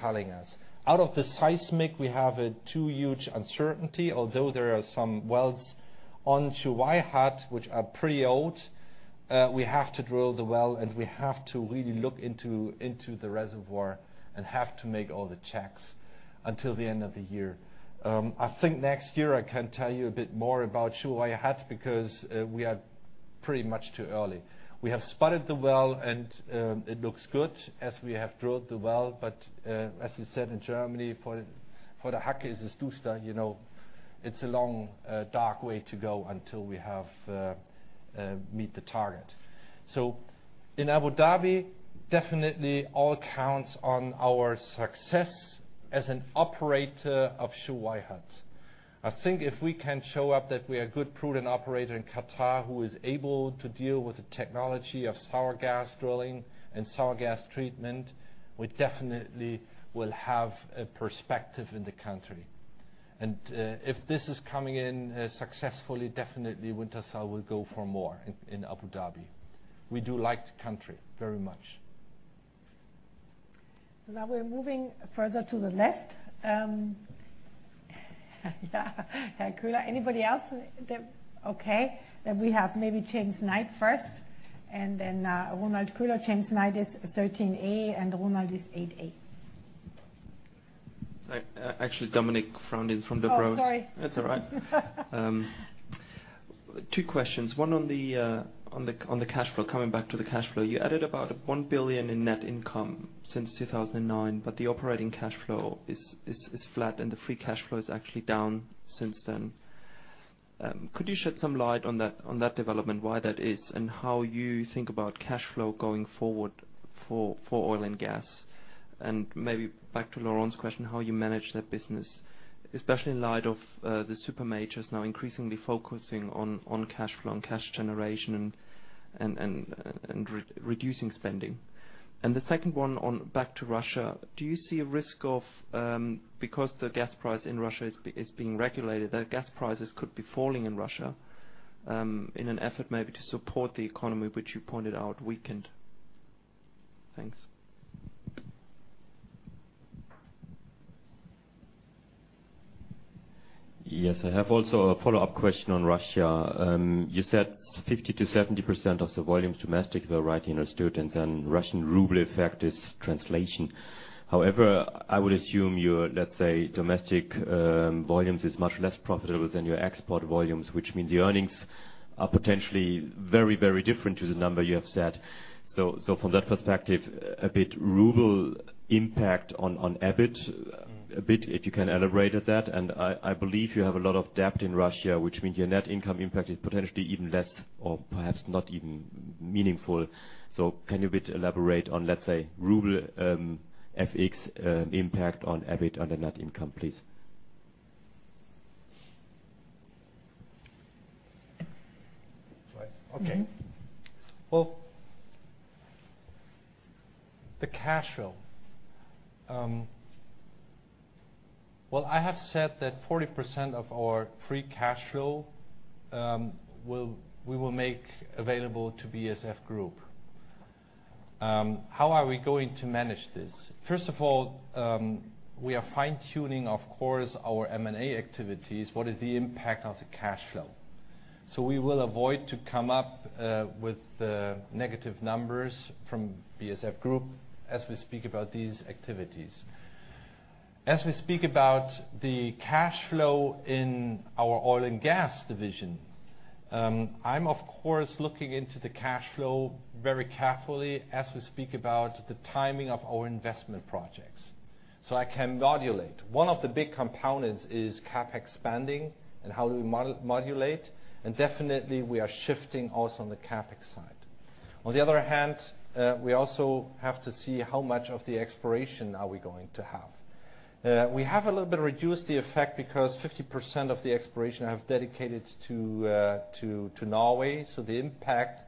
telling us. Out of the seismic, we have a too huge uncertainty. Although there are some wells on Shuweihat which are pretty old, we have to drill the well, and we have to really look into the reservoir and have to make all the checks until the end of the year. I think next year I can tell you a bit more about Shuweihat because we are pretty much too early. We have spudded the well, and it looks good as we have drilled the well. As you said in Germany, you know, it's a long dark way to go until we meet the target. In Abu Dhabi, definitely all counts on our success as an operator of Shuweihat. I think if we can show that we are good, prudent operator in Qatar who is able to deal with the technology of sour gas drilling and sour gas treatment, we definitely will have a perspective in the country. If this is coming in successfully, definitely Wintershall will go for more in Abu Dhabi. We do like the country very much. Now we're moving further to the left. Herr Köhler. Okay. Then we have maybe James Knight first, and then Ronald Köhler. James Knight is 13A, and Ronald is 8A. All right. Actually Dominique Frauendorf from Berenberg. Oh, sorry. That's all right. Two questions, one on the cash flow, coming back to the cash flow. You added about 1 billion in net income since 2009, but the operating cash flow is flat and the free cash flow is actually down since then. Could you shed some light on that development, why that is, and how you think about cash flow going forward for oil and gas? Maybe back to Laurent's question, how you manage that business, especially in light of the super majors now increasingly focusing on cash flow and cash generation and reducing spending. The second one on back to Russia, do you see a risk of because the gas price in Russia is being regulated, that gas prices could be falling in Russia in an effort maybe to support the economy which you pointed out weakened? Thanks. Yes. I have also a follow-up question on Russia. You said 50%-70% of the volumes domestic were right, or so, and then Russian ruble effect is translation. However, I would assume your, let's say, domestic volumes is much less profitable than your export volumes, which means the earnings are potentially very, very different to the number you have said. From that perspective, about ruble impact on EBIT, if you can elaborate on that a bit. I believe you have a lot of debt in Russia, which means your net income impact is potentially even less or perhaps not even meaningful. Can you elaborate a bit on, let's say, ruble FX impact on EBIT and net income, please? Right. Okay. Mm-hmm. The cash flow. I have said that 40% of our free cash flow we will make available to BASF Group. How are we going to manage this? First of all, we are fine-tuning, of course, our M&A activities. What is the impact of the cash flow? We will avoid to come up with negative numbers from BASF Group as we speak about these activities. As we speak about the cash flow in our oil and gas division, I'm of course looking into the cash flow very carefully as we speak about the timing of our investment projects, so I can modulate. One of the big components is CapEx spending and how we modulate, and definitely we are shifting also on the CapEx side. On the other hand, we also have to see how much of the exploration are we going to have. We have a little bit reduced the effect because 50% of the exploration I have dedicated to Norway, so the impact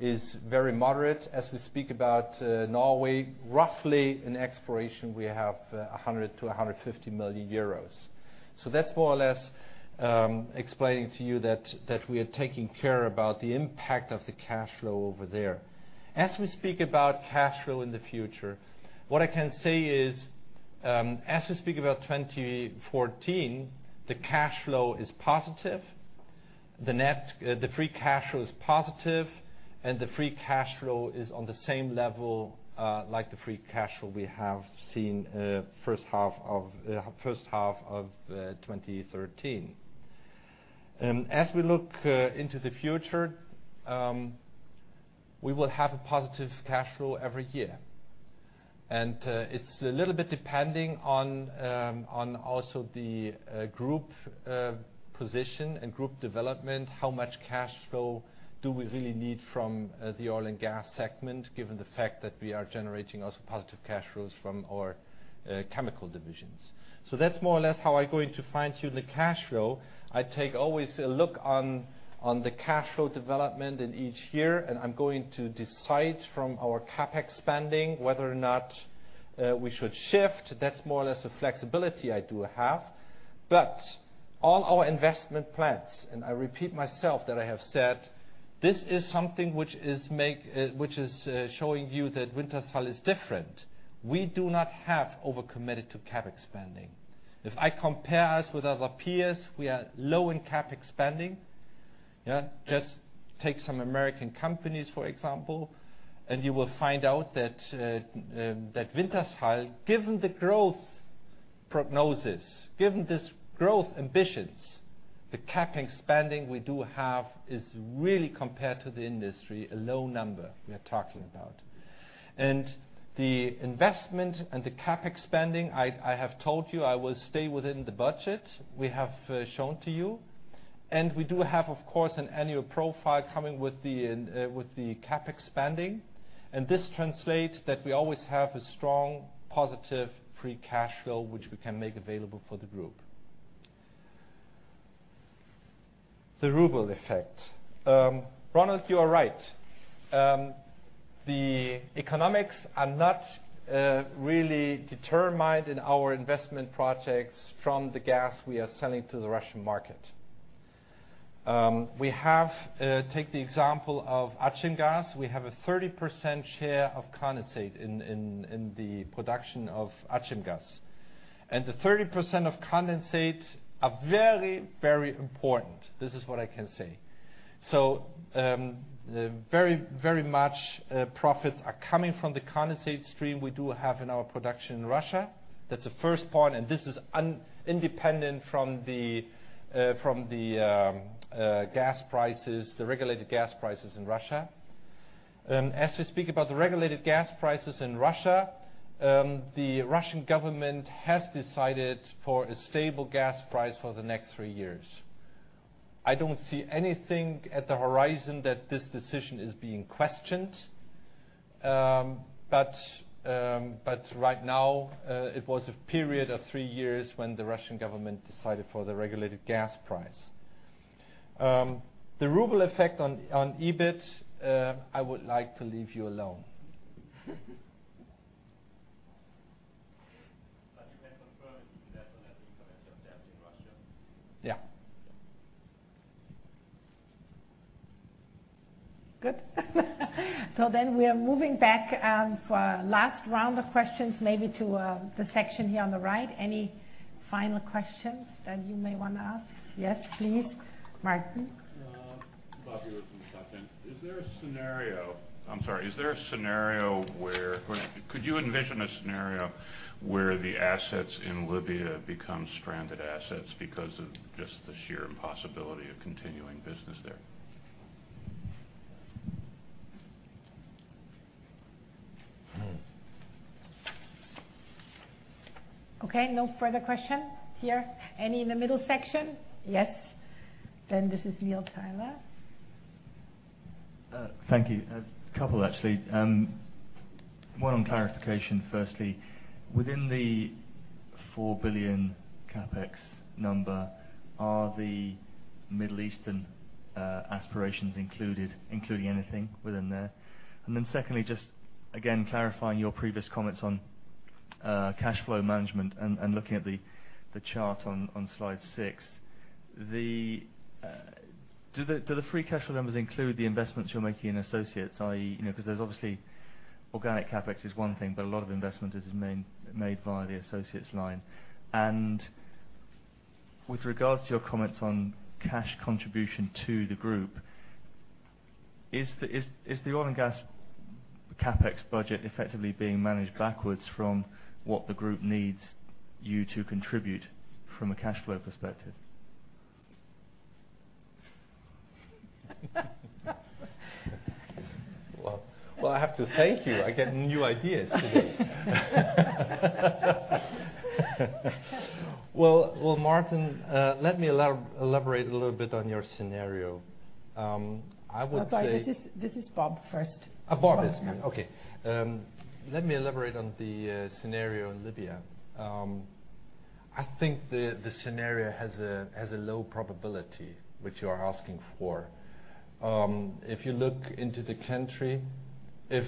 is very moderate. As we speak about Norway, roughly in exploration we have 100 million-150 million euros. So that's more or less explaining to you that we are taking care about the impact of the cash flow over there. As we speak about cash flow in the future, what I can say is, as we speak about 2014, the cash flow is positive, the free cash flow is positive, and the free cash flow is on the same level, like the free cash flow we have seen, first half of 2013. As we look into the future, we will have a positive cash flow every year. It's a little bit depending on also the group position and group development, how much cash flow do we really need from the oil and gas segment, given the fact that we are generating also positive cash flows from our chemical divisions. That's more or less how I'm going to fine-tune the cash flow. I always take a look at the cash flow development in each year, and I'm going to decide from our CapEx spending whether or not we should shift. That's more or less the flexibility I have. All our investment plans, and I repeat myself that I have said, this is something which is showing you that Wintershall is different. We do not have over-committed to CapEx spending. If I compare us with other peers, we are low in CapEx spending. Yeah. Just take some American companies, for example, and you will find out that Wintershall, given the growth prognosis, given this growth ambitions, the CapEx spending we do have is really compared to the industry a low number we are talking about. The investment and the CapEx spending, I have told you I will stay within the budget we have shown to you. We do have, of course, an annual profile coming with the CapEx spending, and this translates that we always have a strong, positive free cash flow which we can make available for the group. The ruble effect. Ronald, you are right. The economics are not really determined in our investment projects from the gas we are selling to the Russian market. We have take the example of Achimgaz. We have a 30% share of condensate in the production of Achimgaz. The 30% of condensate are very, very important. This is what I can say. Very much, profits are coming from the condensate stream we do have in our production in Russia. That's the first point, and this is independent from the gas prices, the regulated gas prices in Russia. As we speak about the regulated gas prices in Russia, the Russian government has decided for a stable gas price for the next three years. I don't see anything on the horizon that this decision is being questioned. Right now, it was a period of three years when the Russian government decided for the regulated gas price. The ruble effect on EBIT, I would like to leave you alone. You can confirm it is less than 30% in Russia. Yeah. Good. We are moving back for last round of questions, maybe to the section here on the right. Any final questions that you may wanna ask? Yes, please, Martin. Bob here from. Could you envision a scenario where the assets in Libya become stranded assets because of just the sheer impossibility of continuing business there? Mm. Okay. No further question here. Any in the middle section? Yes. Then this is Neil Tyler. Thank you. A couple, actually. One on clarification firstly. Within the 4 billion CapEx number, are the Middle Eastern aspirations included, including anything within there? And then secondly, just again clarifying your previous comments on cash flow management and looking at the chart on slide 6, do the free cash flow numbers include the investments you're making in associates, i.e., you know, 'cause there's obviously organic CapEx is one thing, but a lot of investment is made via the associates line. And with regards to your comments on cash contribution to the group, is the oil and gas CapEx budget effectively being managed backwards from what the group needs you to contribute from a cash flow perspective? Well, well, I have to thank you. I get new ideas today. Well, well, Martin, let me elaborate a little bit on your scenario. I would say. I'm sorry. This is Bob first. Oh, Bob is next. Okay. Let me elaborate on the scenario in Libya. I think the scenario has a low probability, which you are asking for. If you look into the country, if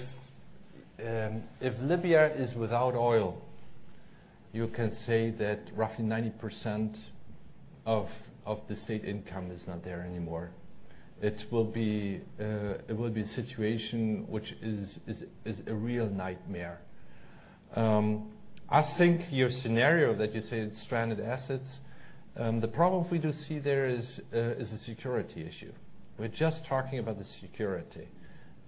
Libya is without oil, you can say that roughly 90% of the state income is not there anymore. It will be a situation which is a real nightmare. I think your scenario that you say it's stranded assets, the problem we do see there is a security issue. We're just talking about the security.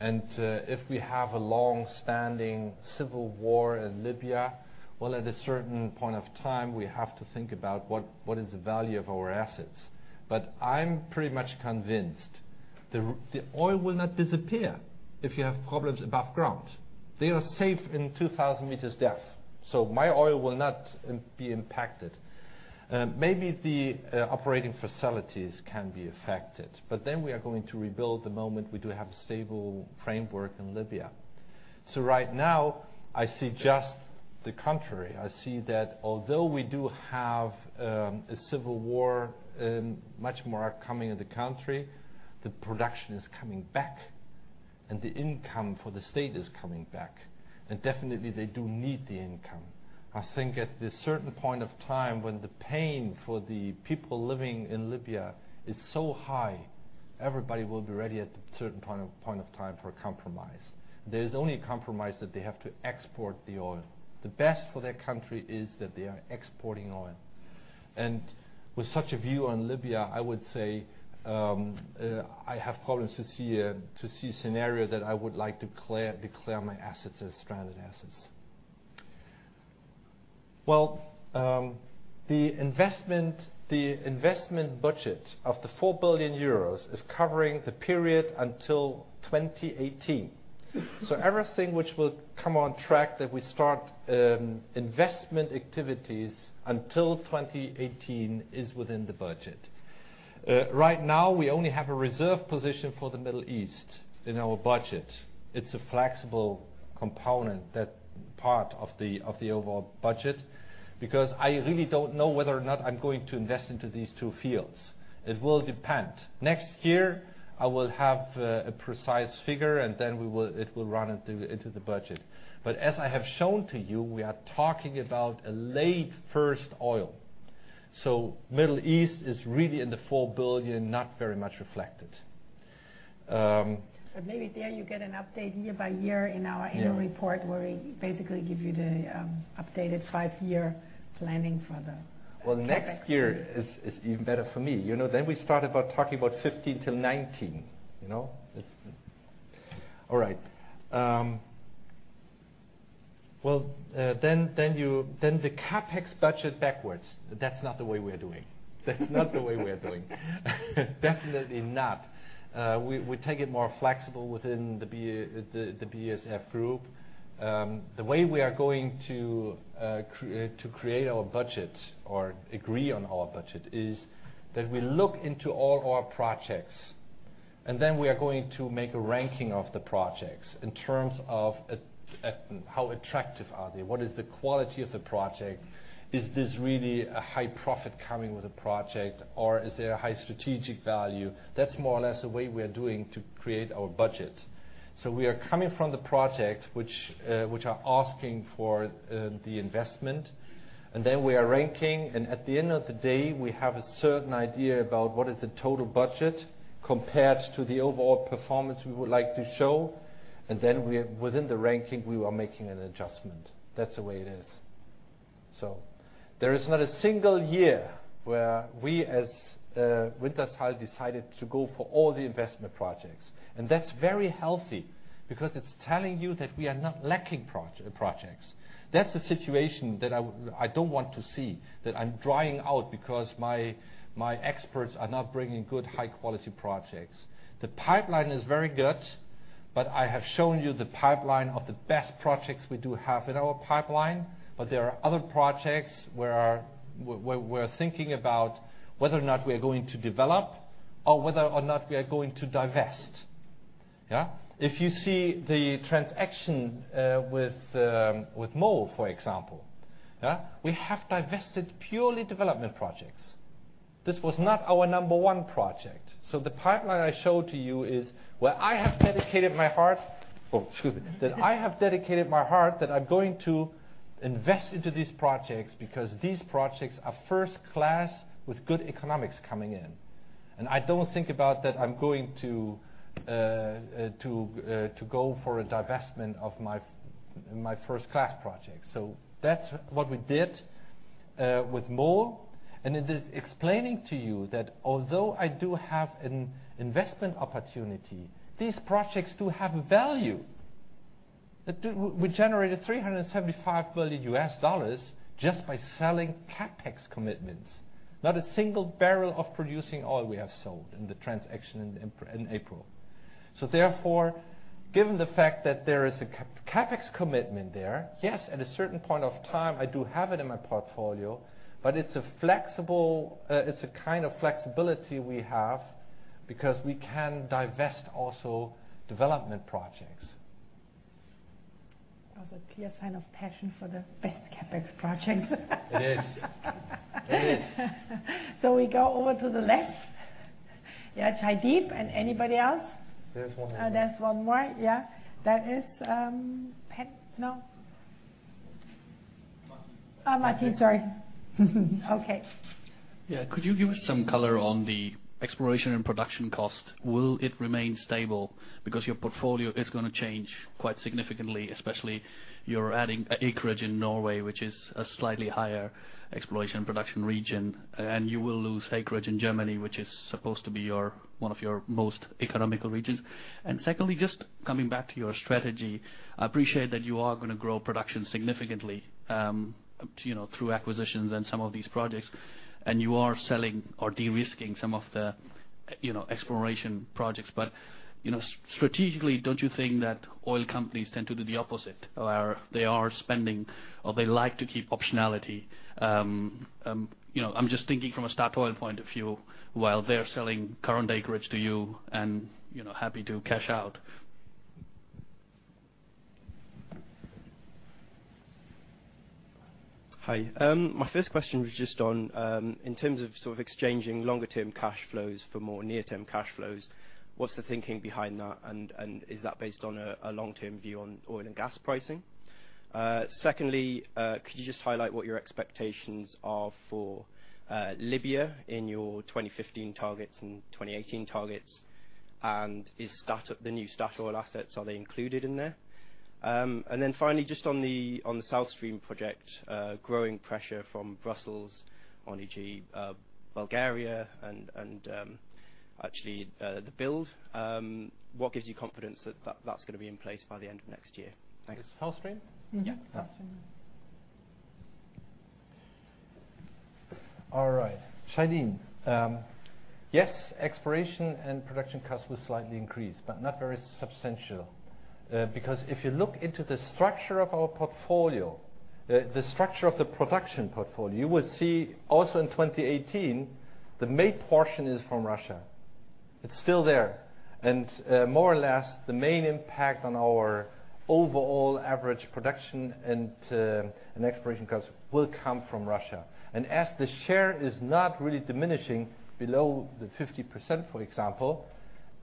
If we have a long-standing civil war in Libya, well, at a certain point of time, we have to think about what is the value of our assets. I'm pretty much convinced the oil will not disappear if you have problems above ground. They are safe in 2,000 meters depth, so my oil will not be impacted. Maybe the operating facilities can be affected, but then we are going to rebuild the moment we do have a stable framework in Libya. Right now, I see just the contrary. I see that although we do have a civil war and much more coming in the country, the production is coming back, and the income for the state is coming back. Definitely they do need the income. I think at this certain point of time when the pain for the people living in Libya is so high, everybody will be ready at a certain point of time for a compromise. There is only a compromise that they have to export the oil. The best for their country is that they are exporting oil. With such a view on Libya, I would say, I have problems to see a scenario that I would like to declare my assets as stranded assets. The investment budget of 4 billion euros is covering the period until 2018. Everything which will come on track that we start investment activities until 2018 is within the budget. Right now we only have a reserve position for the Middle East in our budget. It's a flexible component, that part of the overall budget, because I really don't know whether or not I'm going to invest into these two fields. It will depend. Next year, I will have a precise figure, and then it will run into the budget. As I have shown to you, we are talking about a late first oil. Middle East is really in the 4 billion, not very much reflected. Maybe there you get an update year by year in our annual report where we basically give you the updated 5-year planning for the- Well, next year is even better for me. You know, then we start about talking about 2015-2019, you know? All right. The CapEx budget backwards, that's not the way we are doing. That's not the way we are doing. Definitely not. We take it more flexible within the BASF Group. The way we are going to to create our budget or agree on our budget is that we look into all our projects. Then we are going to make a ranking of the projects in terms of how attractive are they? What is the quality of the project? Is this really a high profit coming with the project or is there a high strategic value? That's more or less the way we are doing to create our budget. We are coming from the project which are asking for the investment, and then we are ranking. At the end of the day, we have a certain idea about what is the total budget compared to the overall performance we would like to show. Within the ranking, we are making an adjustment. That's the way it is. There is not a single year where we as Wintershall decided to go for all the investment projects. That's very healthy because it's telling you that we are not lacking projects. That's the situation that I don't want to see, that I'm drying out because my experts are not bringing good high-quality projects. The pipeline is very good, but I have shown you the pipeline of the best projects we do have in our pipeline. There are other projects where we're thinking about whether or not we are going to develop or whether or not we are going to divest. If you see the transaction with MOL, for example, we have divested purely development projects. This was not our number one project. The pipeline I showed to you is where I have dedicated my heart that I'm going to invest into these projects because these projects are first class with good economics coming in. I don't think about that I'm going to go for a divestment of my first class project. That's what we did with MOL, and it is explaining to you that although I do have an investment opportunity, these projects do have value. We generated $375 billion just by selling CapEx commitments. Not a single barrel of producing oil we have sold in the transaction in April. Therefore, given the fact that there is a CapEx commitment there, yes, at a certain point of time, I do have it in my portfolio, but it's a kind of flexibility we have because we can divest also development projects. That's a clear sign of passion for the best CapEx projects. It is. We go over to the left. Yeah, Jaideep Pandya and anybody else. There's one more. There's one more, yeah. That is, Pat. No. Martty. Martty. Sorry. Okay. Yeah. Could you give us some color on the exploration and production cost? Will it remain stable? Because your portfolio is gonna change quite significantly, especially you're adding acreage in Norway, which is a slightly higher exploration production region, and you will lose acreage in Germany, which is supposed to be your, one of your most economical regions. Secondly, just coming back to your strategy, I appreciate that you are gonna grow production significantly, you know, through acquisitions and some of these projects, and you are selling or de-risking some of the, you know, exploration projects. You know, strategically, don't you think that oil companies tend to do the opposite, where they are spending or they like to keep optionality? You know, I'm just thinking from a Statoil point of view, while they're selling current acreage to you and, you know, happy to cash out. Hi. My first question was just on, in terms of sort of exchanging longer term cash flows for more near-term cash flows, what's the thinking behind that? And is that based on a long-term view on oil and gas pricing? Secondly, could you just highlight what your expectations are for Libya in your 2015 targets and 2018 targets? And is Statoil, the new Statoil assets, are they included in there? And then finally, just on the South Stream project, growing pressure from Brussels on EU, Bulgaria and actually the build, what gives you confidence that that's gonna be in place by the end of next year? Thanks. Is South Stream? Mm-hmm. Yeah, South Stream. All right. Jaideep, yes, exploration and production costs will slightly increase, but not very substantial. Because if you look into the structure of our portfolio, the structure of the production portfolio, you will see also in 2018, the main portion is from Russia. It's still there. More or less, the main impact on our overall average production and exploration costs will come from Russia. As the share is not really diminishing below the 50%, for example,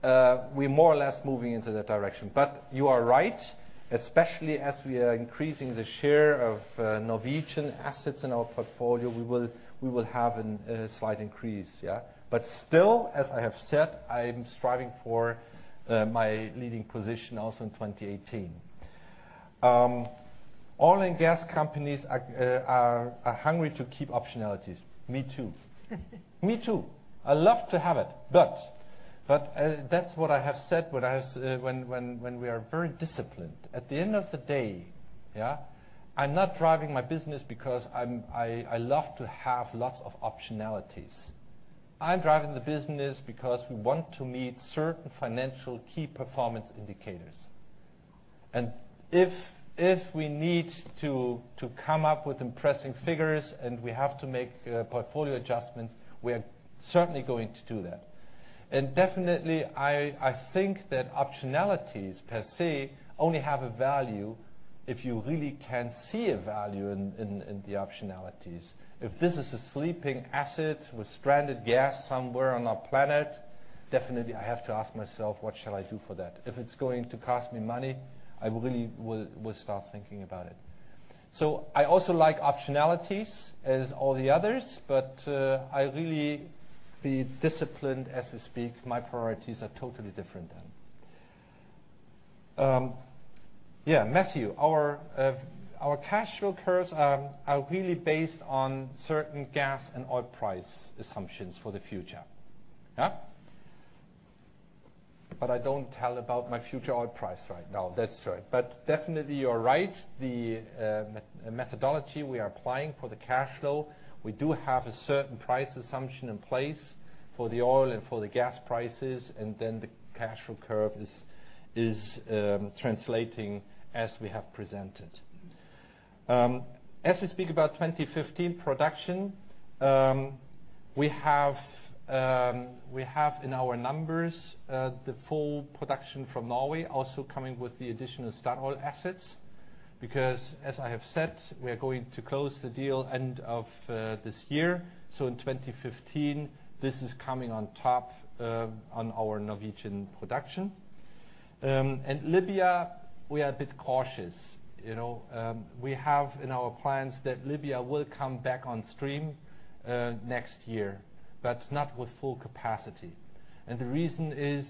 we're more or less moving into that direction. You are right, especially as we are increasing the share of Norwegian assets in our portfolio, we will have a slight increase. Still, as I have said, I'm striving for my leading position also in 2018. Oil and gas companies are hungry to keep optionalities. Me too. I love to have it. That's what I have said, when we are very disciplined. At the end of the day, yeah, I'm not driving my business because I love to have lots of optionalities. I'm driving the business because we want to meet certain financial key performance indicators. If we need to come up with impressive figures and we have to make portfolio adjustments, we are certainly going to do that. Definitely I think that optionalities per se only have a value if you really can see a value in the optionalities. If this is a sleeping asset with stranded gas somewhere on our planet, definitely I have to ask myself, what shall I do for that? If it's going to cost me money, I really will start thinking about it. I also like optionalities as all the others, but I really be disciplined as I speak. My priorities are totally different than. Yeah, Mathew, our cash flow curves are really based on certain gas and oil price assumptions for the future. Yeah? I don't tell about my future oil price right now. That's right. Definitely you're right. The methodology we are applying for the cash flow, we do have a certain price assumption in place for the oil and for the gas prices, and then the cash flow curve is translating as we have presented. As we speak about 2015 production, we have in our numbers the full production from Norway also coming with the additional Statoil assets. Because as I have said, we are going to close the deal end of this year. In 2015 this is coming on top on our Norwegian production. Libya, we are a bit cautious. You know, we have in our plans that Libya will come back on stream next year, but not with full capacity. The reason is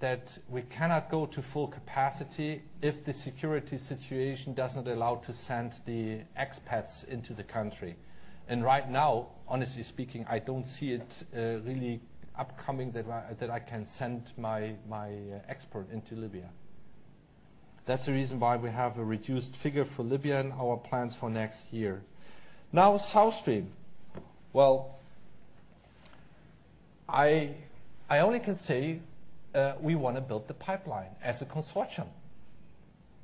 that we cannot go to full capacity if the security situation doesn't allow to send the expats into the country. Right now, honestly speaking, I don't see it really upcoming that I can send my expats into Libya. That's the reason why we have a reduced figure for Libya in our plans for next year. Now, South Stream. Well, I only can say we wanna build the pipeline as a consortium.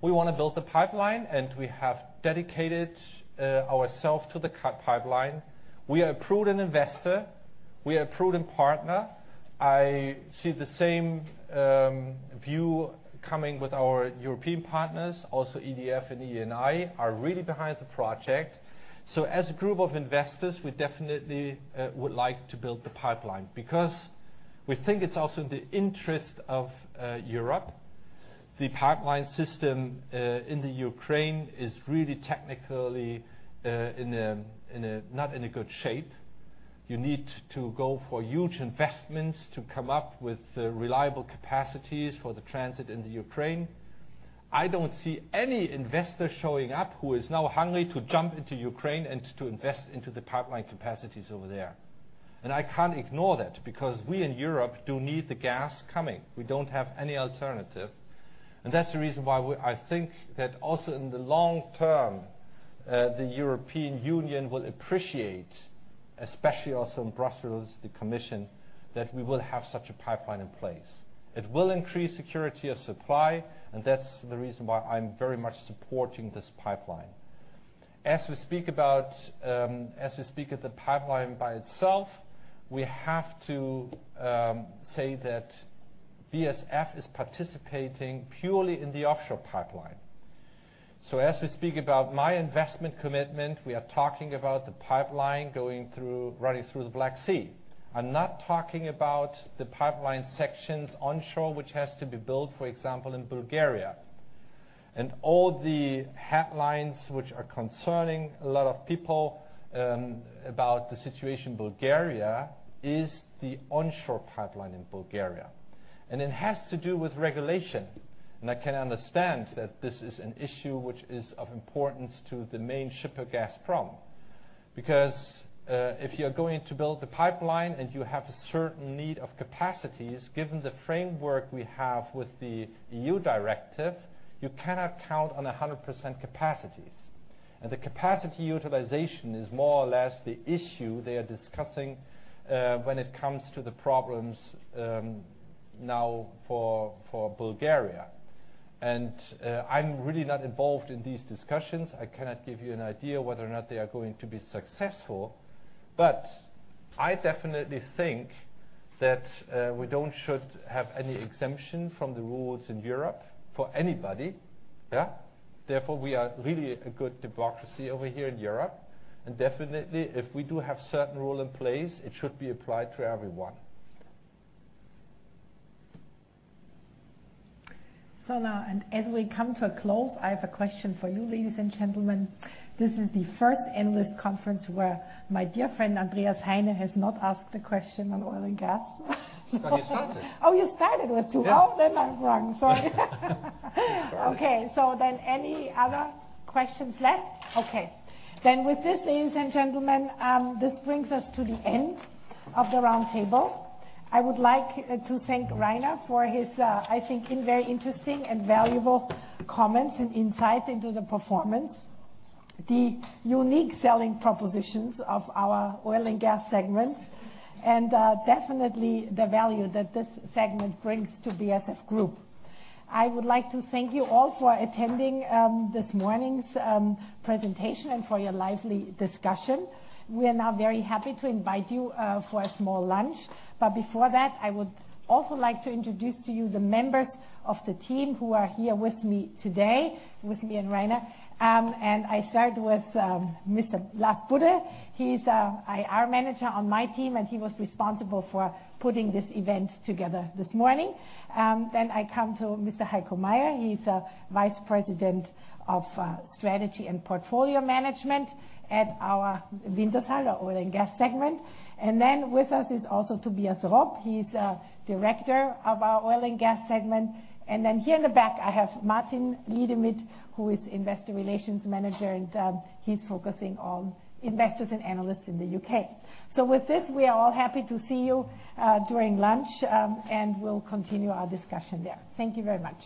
We wanna build the pipeline, and we have dedicated ourselves to the South Stream pipeline. We are a prudent investor. We are a prudent partner. I see the same view coming with our European partners. Also, EDF and Eni are really behind the project. As a group of investors, we definitely would like to build the pipeline because we think it's also in the interest of Europe. The pipeline system in the Ukraine is really technically not in a good shape. You need to go for huge investments to come up with reliable capacities for the transit in the Ukraine. I don't see any investor showing up who is now hungry to jump into Ukraine and to invest into the pipeline capacities over there. I can't ignore that because we in Europe do need the gas coming. We don't have any alternative. That's the reason why I think that also in the long term, the European Union will appreciate, especially also in Brussels, the Commission, that we will have such a pipeline in place. It will increase security of supply, and that's the reason why I'm very much supporting this pipeline. As we speak of the pipeline by itself, we have to say that BASF is participating purely in the offshore pipeline. As we speak about my investment commitment, we are talking about the pipeline running through the Black Sea. I'm not talking about the pipeline sections onshore, which has to be built, for example, in Bulgaria. All the headlines which are concerning a lot of people, about the situation in Bulgaria, the onshore pipeline in Bulgaria. It has to do with regulation, and I can understand that this is an issue which is of importance to the main shipper Gazprom. Because, if you're going to build the pipeline and you have a certain need of capacities, given the framework we have with the EU directive, you cannot count on 100% capacities. The capacity utilization is more or less the issue they are discussing, when it comes to the problems, now for Bulgaria. I'm really not involved in these discussions. I cannot give you an idea whether or not they are going to be successful. I definitely think that we shouldn't have any exemption from the rules in Europe for anybody, yeah. Therefore, we are really a good democracy over here in Europe. Definitely, if we do have certain rules in place, it should be applied to everyone. Now, and as we come to a close, I have a question for you, ladies and gentlemen. This is the first analyst conference where my dear friend, Andreas Heine, has not asked a question on oil and gas. You started. Oh, you started with two. Yeah. Oh, I'm wrong. Sorry. Sorry. Okay, any other questions left? Okay. With this, ladies and gentlemen, this brings us to the end of the round table. I would like to thank Rainer for his, I think in very interesting and valuable comments and insights into the performance, the unique selling propositions of our oil and gas segment, and, definitely the value that this segment brings to BASF Group. I would like to thank you all for attending, this morning's presentation and for your lively discussion. We are now very happy to invite you, for a small lunch. Before that, I would also like to introduce to you the members of the team who are here with me today, with me and Rainer. I start with Mr. Lars Budde. He's an IR manager on my team, and he was responsible for putting this event together this morning. I come to Mr. Heiko Meyer. He's a Vice President of strategy and portfolio management at our Wintershall Oil and Gas segment. With us is also Tobias Rapp. He's a Director of our oil and gas segment. Here in the back I have Martin Brudermüller, who is Investor Relations manager, and he's focusing on investors and analysts in the U.K. With this, we are all happy to see you during lunch, and we'll continue our discussion there. Thank you very much.